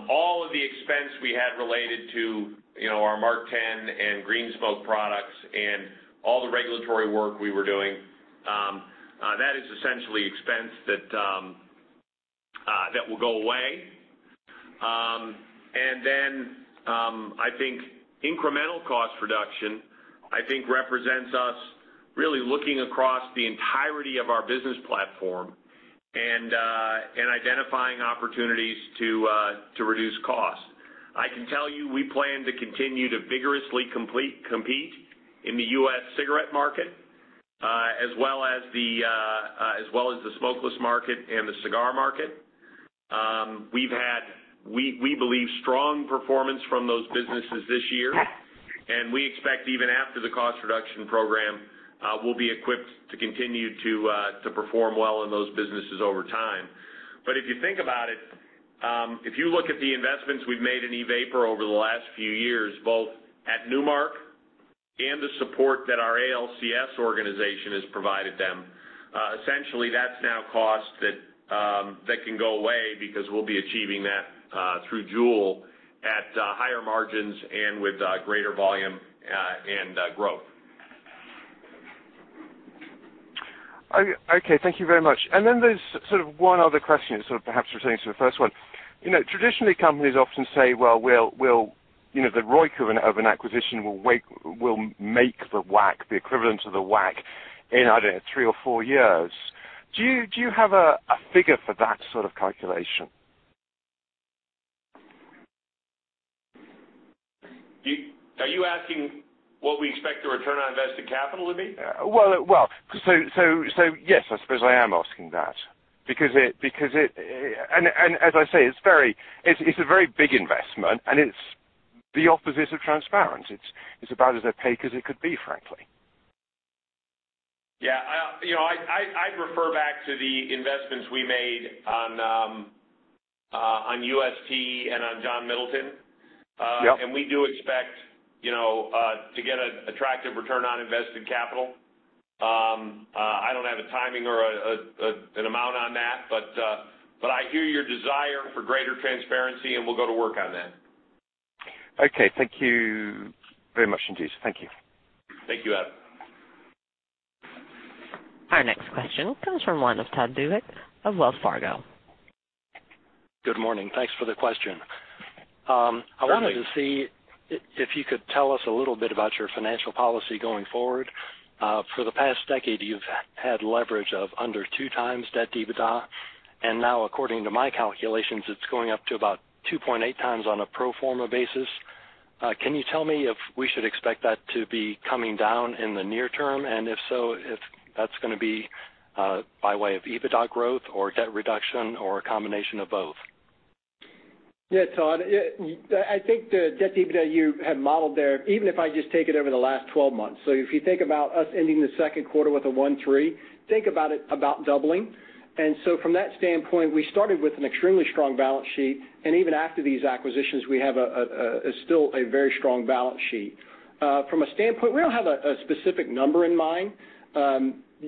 All of the expense we had related to our MarkTen and Green Smoke products, and all the regulatory work we were doing, that is essentially expense that will go away. I think incremental cost reduction, I think represents us really looking across the entirety of our business platform and identifying opportunities to reduce costs. I can tell you we plan to continue to vigorously compete in the U.S. cigarette market, as well as the smokeless market and the cigar market. We've had, we believe, strong performance from those businesses this year. Yes. We expect even after the cost reduction program, we'll be equipped to continue to perform well in those businesses over time. If you think about it, if you look at the investments we've made in e-vapor over the last few years, both at Nu Mark and the support that our ALCS organization has provided them, essentially that's now cost that can go away because we'll be achieving that through JUUL at higher margins and with greater volume and growth. Okay, thank you very much. There's sort of one other question, sort of perhaps relating to the first one. Traditionally, companies often say, well, the ROI of an acquisition will make the equivalent of the WACC in, I don't know, three or four years. Do you have a figure for that sort of calculation? Are you asking what we expect the return on invested capital to be? Yes, I suppose I am asking that. As I say, it's a very big investment, and it's the opposite of transparent. It's about as opaque as it could be, frankly. Yeah. I'd refer back to the investments we made on UST and on John Middleton. Yep. We do expect to get an attractive return on invested capital. I don't have a timing or an amount on that, I hear your desire for greater transparency, we'll go to work on that. Okay. Thank you very much indeed. Thank you. Thank you, Adam. Our next question comes from the line of Todd Duvick of Wells Fargo. Good morning. Thanks for the question. Good morning. I wanted to see if you could tell us a little bit about your financial policy going forward. For the past decade, you've had leverage of under two times debt EBITDA, now according to my calculations, it's going up to about 2.8x on a pro forma basis. Can you tell me if we should expect that to be coming down in the near term? If so, if that's going to be by way of EBITDA growth or debt reduction or a combination of both? Yeah, Todd, I think the debt EBITDA you have modeled there, even if I just take it over the last 12 months. If you think about us ending the second quarter with a 1.3, think about it about doubling. From that standpoint, we started with an extremely strong balance sheet, and even after these acquisitions, we have a still a very strong balance sheet. From a standpoint, we don't have a specific number in mind.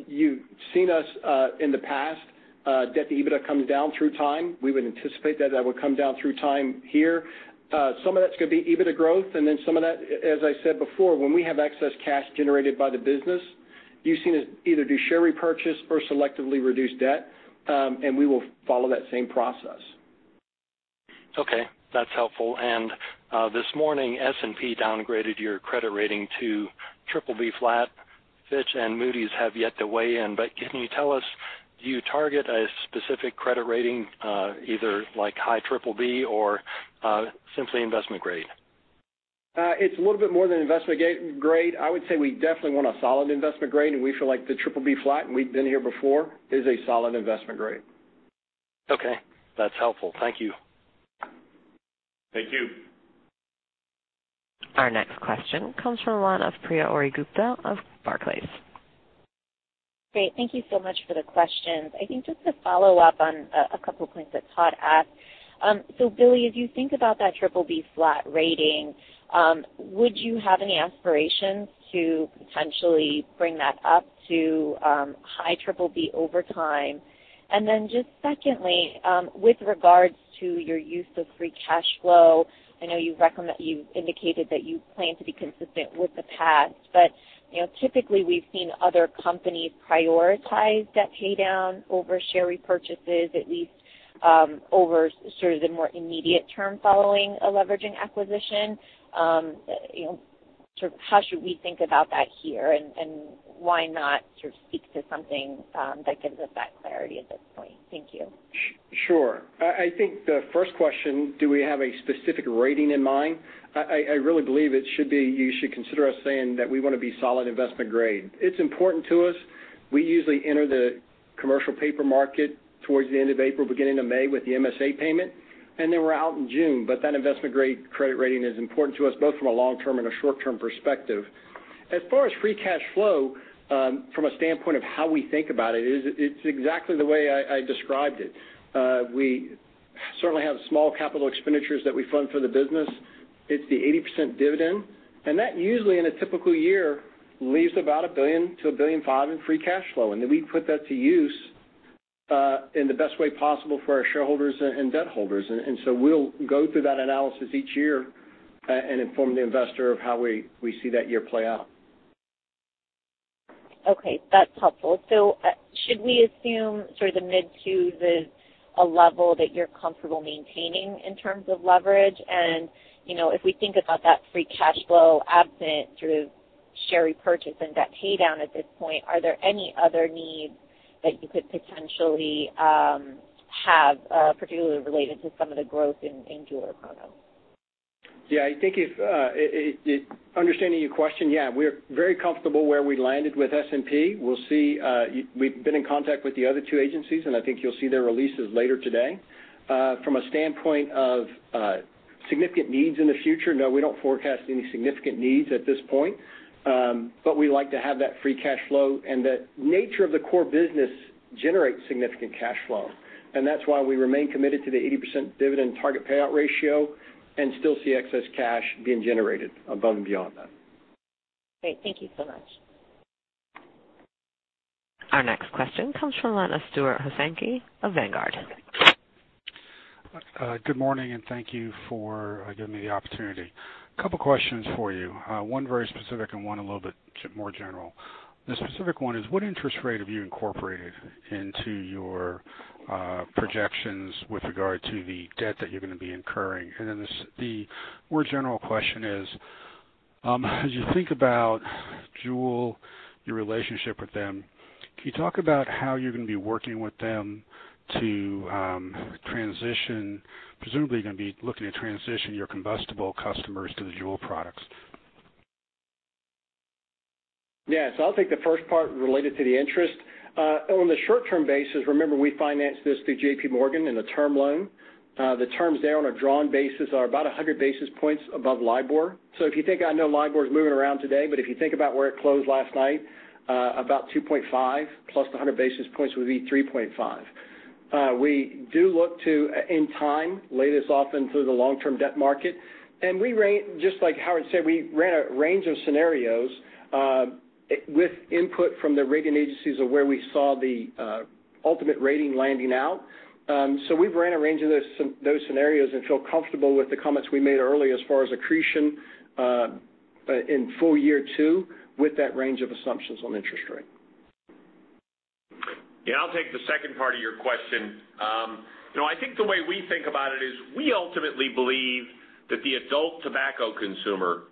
You've seen us in the past, debt to EBITDA come down through time. We would anticipate that that would come down through time here. Some of that's going to be EBITDA growth, then some of that, as I said before, when we have excess cash generated by the business, you've seen us either do share repurchase or selectively reduce debt. We will follow that same process. Okay. That's helpful. This morning, S&P downgraded your credit rating to BBB flat. Fitch and Moody's have yet to weigh in. Can you tell us, do you target a specific credit rating, either like high BBB or simply investment grade? It's a little bit more than investment grade. I would say we definitely want a solid investment grade, and we feel like the BBB, and we've been here before, is a solid investment grade. Okay. That's helpful. Thank you. Thank you. Our next question comes from the line of Priya Ohri-Gupta of Barclays. Great. Thank you so much for the questions. I think just to follow up on a couple of points that Todd asked. Billy, as you think about that BBB flat rating, would you have any aspirations to potentially bring that up to high BBB over time? Secondly, with regards to your use of free cash flow, I know you've indicated that you plan to be consistent with the past, but typically, we've seen other companies prioritize debt paydown over share repurchases, at least over sort of the more immediate term following a leveraging acquisition. How should we think about that here, and why not sort of speak to something that gives us that clarity at this point? Thank you. Sure. I think the first question, do we have a specific rating in mind? I really believe you should consider us saying that we want to be solid investment grade. It's important to us. We usually enter the commercial paper market towards the end of April, beginning of May with the MSA payment, then we're out in June. That investment-grade credit rating is important to us, both from a long-term and a short-term perspective. As far as free cash flow, from a standpoint of how we think about it's exactly the way I described it. We certainly have small capital expenditures that we fund for the business. It's the 80% dividend, and that usually, in a typical year, leaves about $1 billion-$1.5 billion in free cash flow. Then we put that to use in the best way possible for our shareholders and debt holders. We'll go through that analysis each year, and inform the investor of how we see that year play out. Okay, that's helpful. Should we assume sort of the mid-twos is a level that you're comfortable maintaining in terms of leverage? If we think about that free cash flow absent through share repurchase and debt paydown at this point, are there any other needs that you could potentially have, particularly related to some of the growth in JUUL products? Understanding your question, we're very comfortable where we landed with S&P. I think you'll see their releases later today. From a standpoint of significant needs in the future, no, we don't forecast any significant needs at this point. We like to have that free cash flow, and the nature of the core business generates significant cash flow. That's why we remain committed to the 80% dividend target payout ratio and still see excess cash being generated above and beyond that. Great. Thank you so much. Our next question comes from Stuart Hosansky of Vanguard. Good morning. Thank you for giving me the opportunity. A couple questions for you, one very specific and one a little bit more general. The specific one is, what interest rate have you incorporated into your projections with regard to the debt that you're going to be incurring? Then the more general question is, as you think about JUUL, your relationship with them, can you talk about how you're going to be working with them to transition? Presumably, you're going to be looking to transition your combustible customers to the JUUL products. Yes. I'll take the first part related to the interest. On the short-term basis, remember, we financed this through JPMorgan in the term loan. The terms there on a drawn basis are about 100 basis points above LIBOR. I know LIBOR's moving around today, but if you think about where it closed last night, about 2.5+ the 100 basis points would be 3.5. We do look to, in time, lay this off into the long-term debt market. Just like Howard said, we ran a range of scenarios, with input from the rating agencies of where we saw the ultimate rating landing out. We've ran a range of those scenarios and feel comfortable with the comments we made earlier as far as accretion in full year two with that range of assumptions on interest rate. Yeah, I'll take the second part of your question. I think the way we think about it is we ultimately believe that the adult tobacco consumer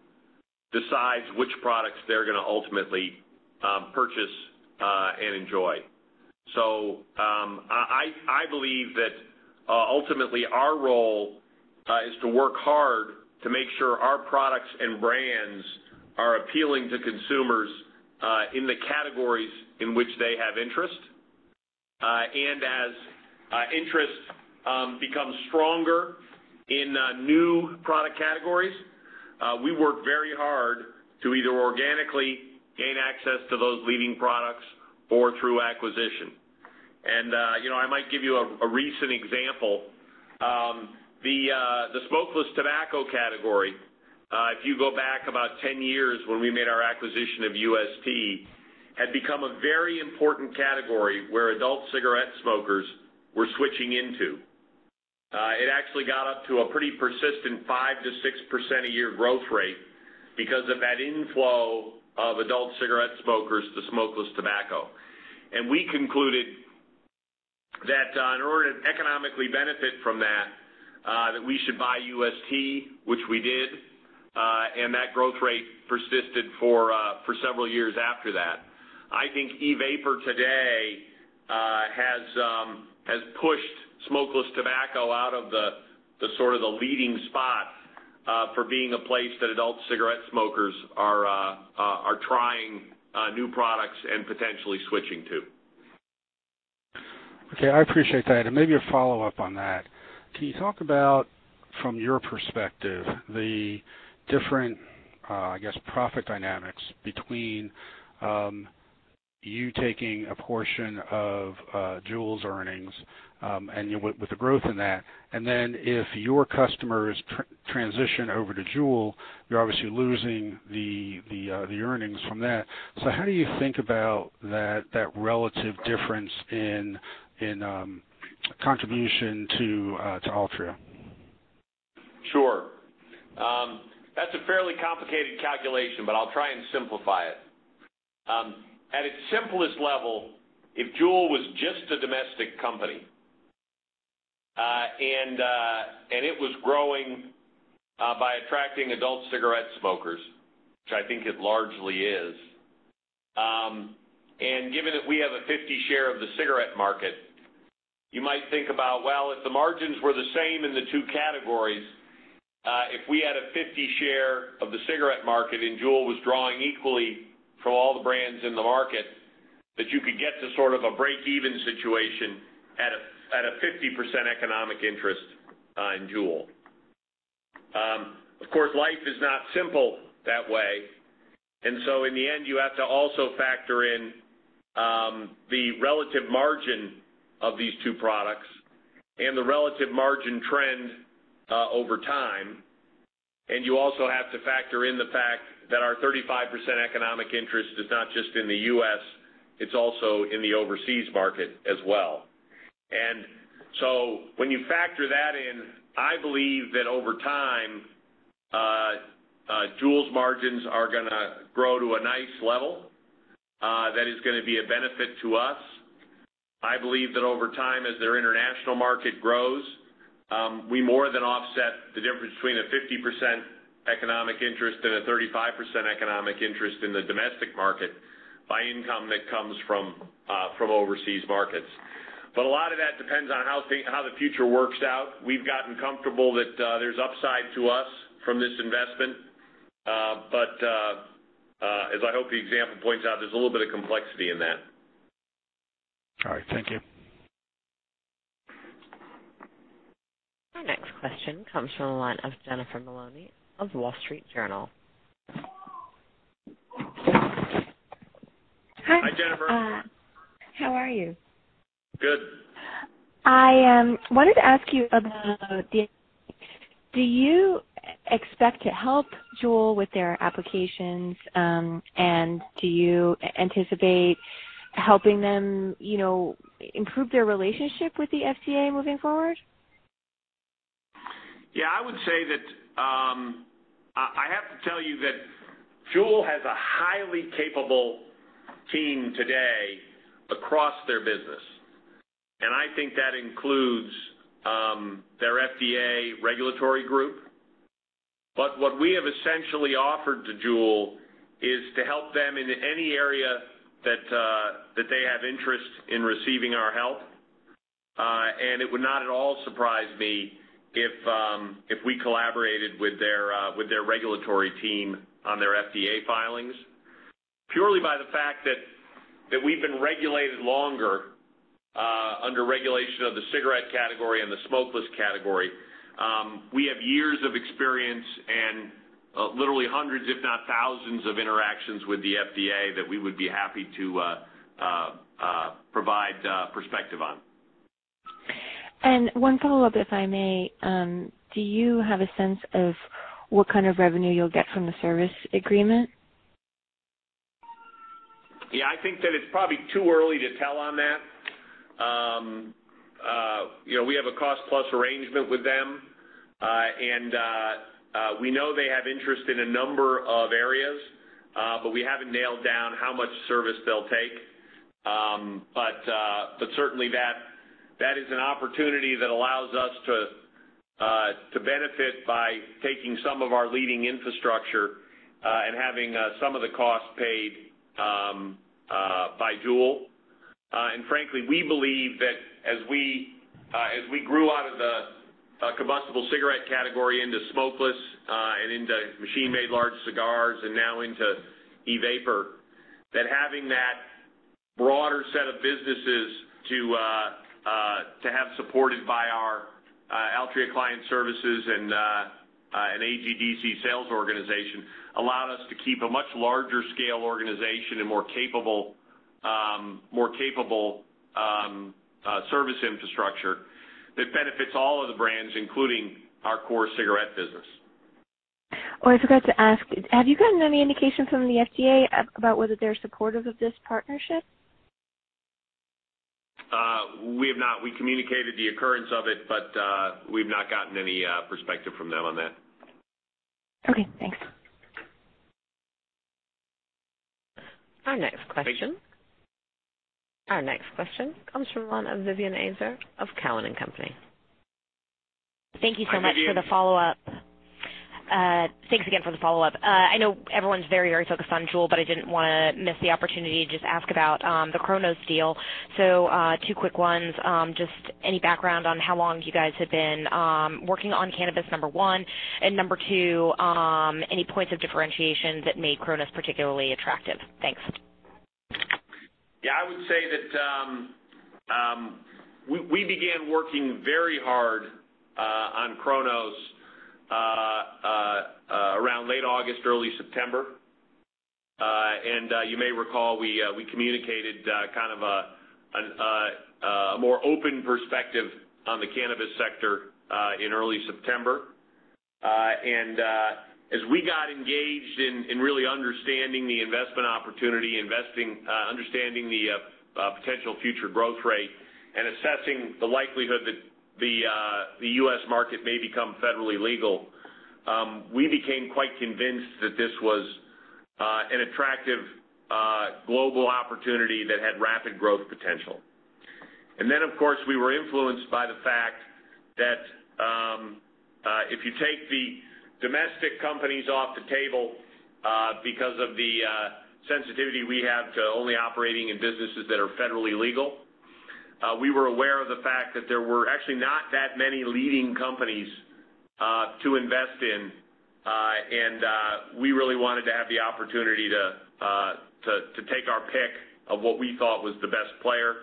decides which products they're going to ultimately purchase and enjoy. I believe that ultimately our role is to work hard to make sure our products and brands are appealing to consumers in the categories in which they have interest. As interest becomes stronger in new product categories, we work very hard to either organically gain access to those leading products or through acquisition. I might give you a recent example. The smokeless tobacco category, if you go back about 10 years when we made our acquisition of UST, had become a very important category where adult cigarette smokers were switching into. It actually got up to a pretty persistent 5%-6% a year growth rate because of that inflow of adult cigarette smokers to smokeless tobacco. We concluded that in order to economically benefit from that we should buy UST, which we did, and that growth rate persisted for several years after that. I think e-vapor today has pushed smokeless tobacco out of the sort of the leading spot for being a place that adult cigarette smokers are trying new products and potentially switching to. Okay, I appreciate that. Maybe a follow-up on that. Can you talk about, from your perspective, the different profit dynamics between you taking a portion of JUUL's earnings and with the growth in that, and then if your customers transition over to JUUL, you're obviously losing the earnings from that. How do you think about that relative difference in contribution to Altria? Sure. That's a fairly complicated calculation, but I'll try and simplify it. At its simplest level, if JUUL was just a domestic company, and it was growing by attracting adult cigarette smokers, which I think it largely is, given that we have a 50 share of the cigarette market, you might think about, well, if the margins were the same in the two categories, if we had a 50 share of the cigarette market and JUUL was drawing equally from all the brands in the market, that you could get to sort of a break-even situation at a 50% economic interest in JUUL. Of course, life is not simple that way. In the end, you have to also factor in the relative margin of these two products and the relative margin trend over time. You also have to factor in the fact that our 35% economic interest is not just in the U.S., it's also in the overseas market as well. When you factor that in, I believe that over time, JUUL's margins are going to grow to a nice level that is going to be a benefit to us. I believe that over time, as their international market grows, we more than offset the difference between a 50% economic interest and a 35% economic interest in the domestic market by income that comes from overseas markets. A lot of that depends on how the future works out. We've gotten comfortable that there's upside to us from this investment. As I hope the example points out, there's a little bit of complexity in that. All right, thank you. Our next question comes from the line of Jennifer Maloney of Wall Street Journal. Hi, Jennifer. How are you? Good. I wanted to ask you about the FDA. Do you expect to help JUUL with their applications? Do you anticipate helping them improve their relationship with the FDA moving forward? Yeah, I have to tell you that JUUL has a highly capable team today across their business, I think that includes their FDA regulatory group. What we have essentially offered to JUUL is to help them in any area that they have interest in receiving our help. It would not at all surprise me if we collaborated with their regulatory team on their FDA filings. Purely by the fact that we've been regulated longer under regulation of the cigarette category and the smokeless category, we have years of experience and literally hundreds, if not thousands, of interactions with the FDA that we would be happy to provide perspective on. One follow-up, if I may. Do you have a sense of what kind of revenue you'll get from the service agreement? Yeah, I think that it's probably too early to tell on that. We have a cost-plus arrangement with them. We know they have interest in a number of areas, but we haven't nailed down how much service they'll take. Certainly that is an opportunity that allows us to benefit by taking some of our leading infrastructure and having some of the costs paid by JUUL. Frankly, we believe that as we grew out of the combustible cigarette category into smokeless and into machine-made large cigars and now into e-vapor, that having that broader set of businesses to have supported by our Altria Client Services and AGDC sales organization allowed us to keep a much larger scale organization and more capable service infrastructure that benefits all of the brands, including our core cigarette business. Oh, I forgot to ask, have you gotten any indication from the FDA about whether they're supportive of this partnership? We have not. We communicated the occurrence of it, we've not gotten any perspective from them on that. Okay, thanks. Our next question comes from the line of Vivien Azer of Cowen and Company. Hi, Vivien. Thank you so much for the follow-up. I know everyone's very focused on JUUL, but I didn't want to miss the opportunity to just ask about the Cronos deal. Two quick ones. Just any background on how long you guys have been working on cannabis, number one. Number two, any points of differentiation that made Cronos particularly attractive? Thanks. Yeah, I would say that we began working very hard on Cronos around late August, early September. You may recall, we communicated kind of a more open perspective on the cannabis sector in early September. As we got engaged in really understanding the investment opportunity, understanding the potential future growth rate, and assessing the likelihood that the U.S. market may become federally legal, we became quite convinced that this was an attractive global opportunity that had rapid growth potential. Then, of course, we were influenced by the fact that if you take the domestic companies off the table, because of the sensitivity we have to only operating in businesses that are federally legal, we were aware of the fact that there were actually not that many leading companies to invest in. We really wanted to have the opportunity to take our pick of what we thought was the best player.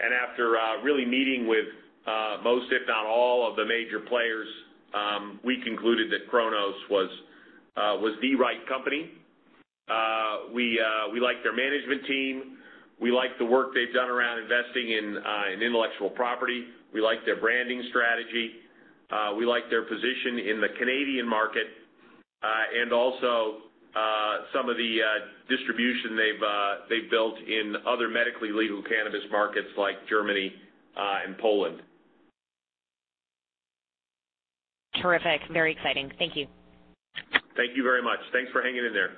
After really meeting with most, if not all, of the major players, we concluded that Cronos was the right company. We like their management team. We like the work they've done around investing in intellectual property. We like their branding strategy. We like their position in the Canadian market and also some of the distribution they've built in other medically legal cannabis markets like Germany and Poland. Terrific. Very exciting. Thank you. Thank you very much. Thanks for hanging in there.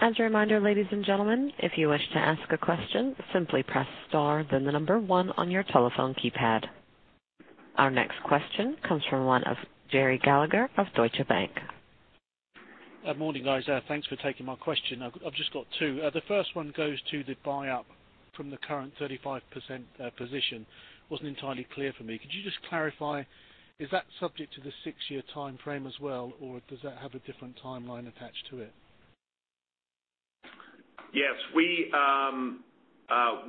As a reminder, ladies and gentlemen, if you wish to ask a question, simply press star, then the number one on your telephone keypad. Our next question comes from one of Gerry Gallagher of Deutsche Bank. Good morning, guys. Thanks for taking my question. I've just got two. The first one goes to the buy up from the current 35% position. Wasn't entirely clear for me. Could you just clarify, is that subject to the six-year timeframe as well, or does that have a different timeline attached to it? Yes. We have a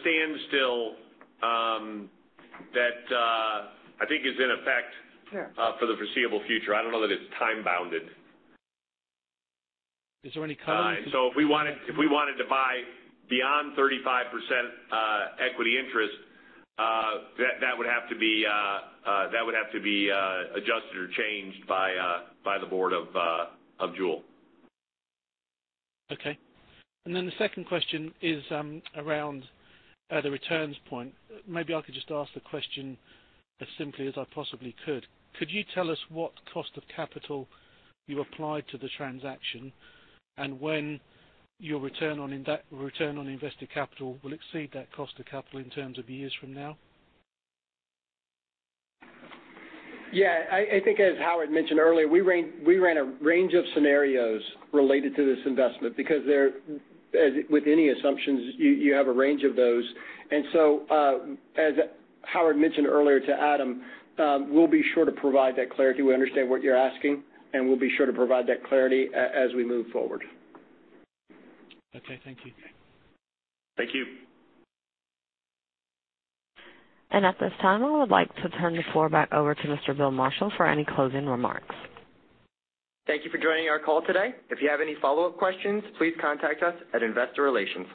standstill that I think is in effect for the foreseeable future. I don't know that it's time-bounded. Is there any kind of- If we wanted to buy beyond 35% equity interest, that would have to be adjusted or changed by the board of JUUL. Okay. Then the second question is around the returns point. Maybe I could just ask the question as simply as I possibly could. Could you tell us what cost of capital you applied to the transaction, and when your return on invested capital will exceed that cost of capital in terms of years from now? Yeah, I think as Howard mentioned earlier, we ran a range of scenarios related to this investment because with any assumptions, you have a range of those. As Howard mentioned earlier to Adam, we'll be sure to provide that clarity. We understand what you're asking, and we'll be sure to provide that clarity as we move forward. Okay. Thank you. Thank you. At this time, I would like to turn the floor back over to Mr. Bill Marshall for any closing remarks. Thank you for joining our call today. If you have any follow-up questions, please contact us at Investor Relations.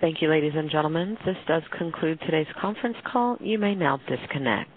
Thank you, ladies and gentlemen. This does conclude today's conference call. You may now disconnect.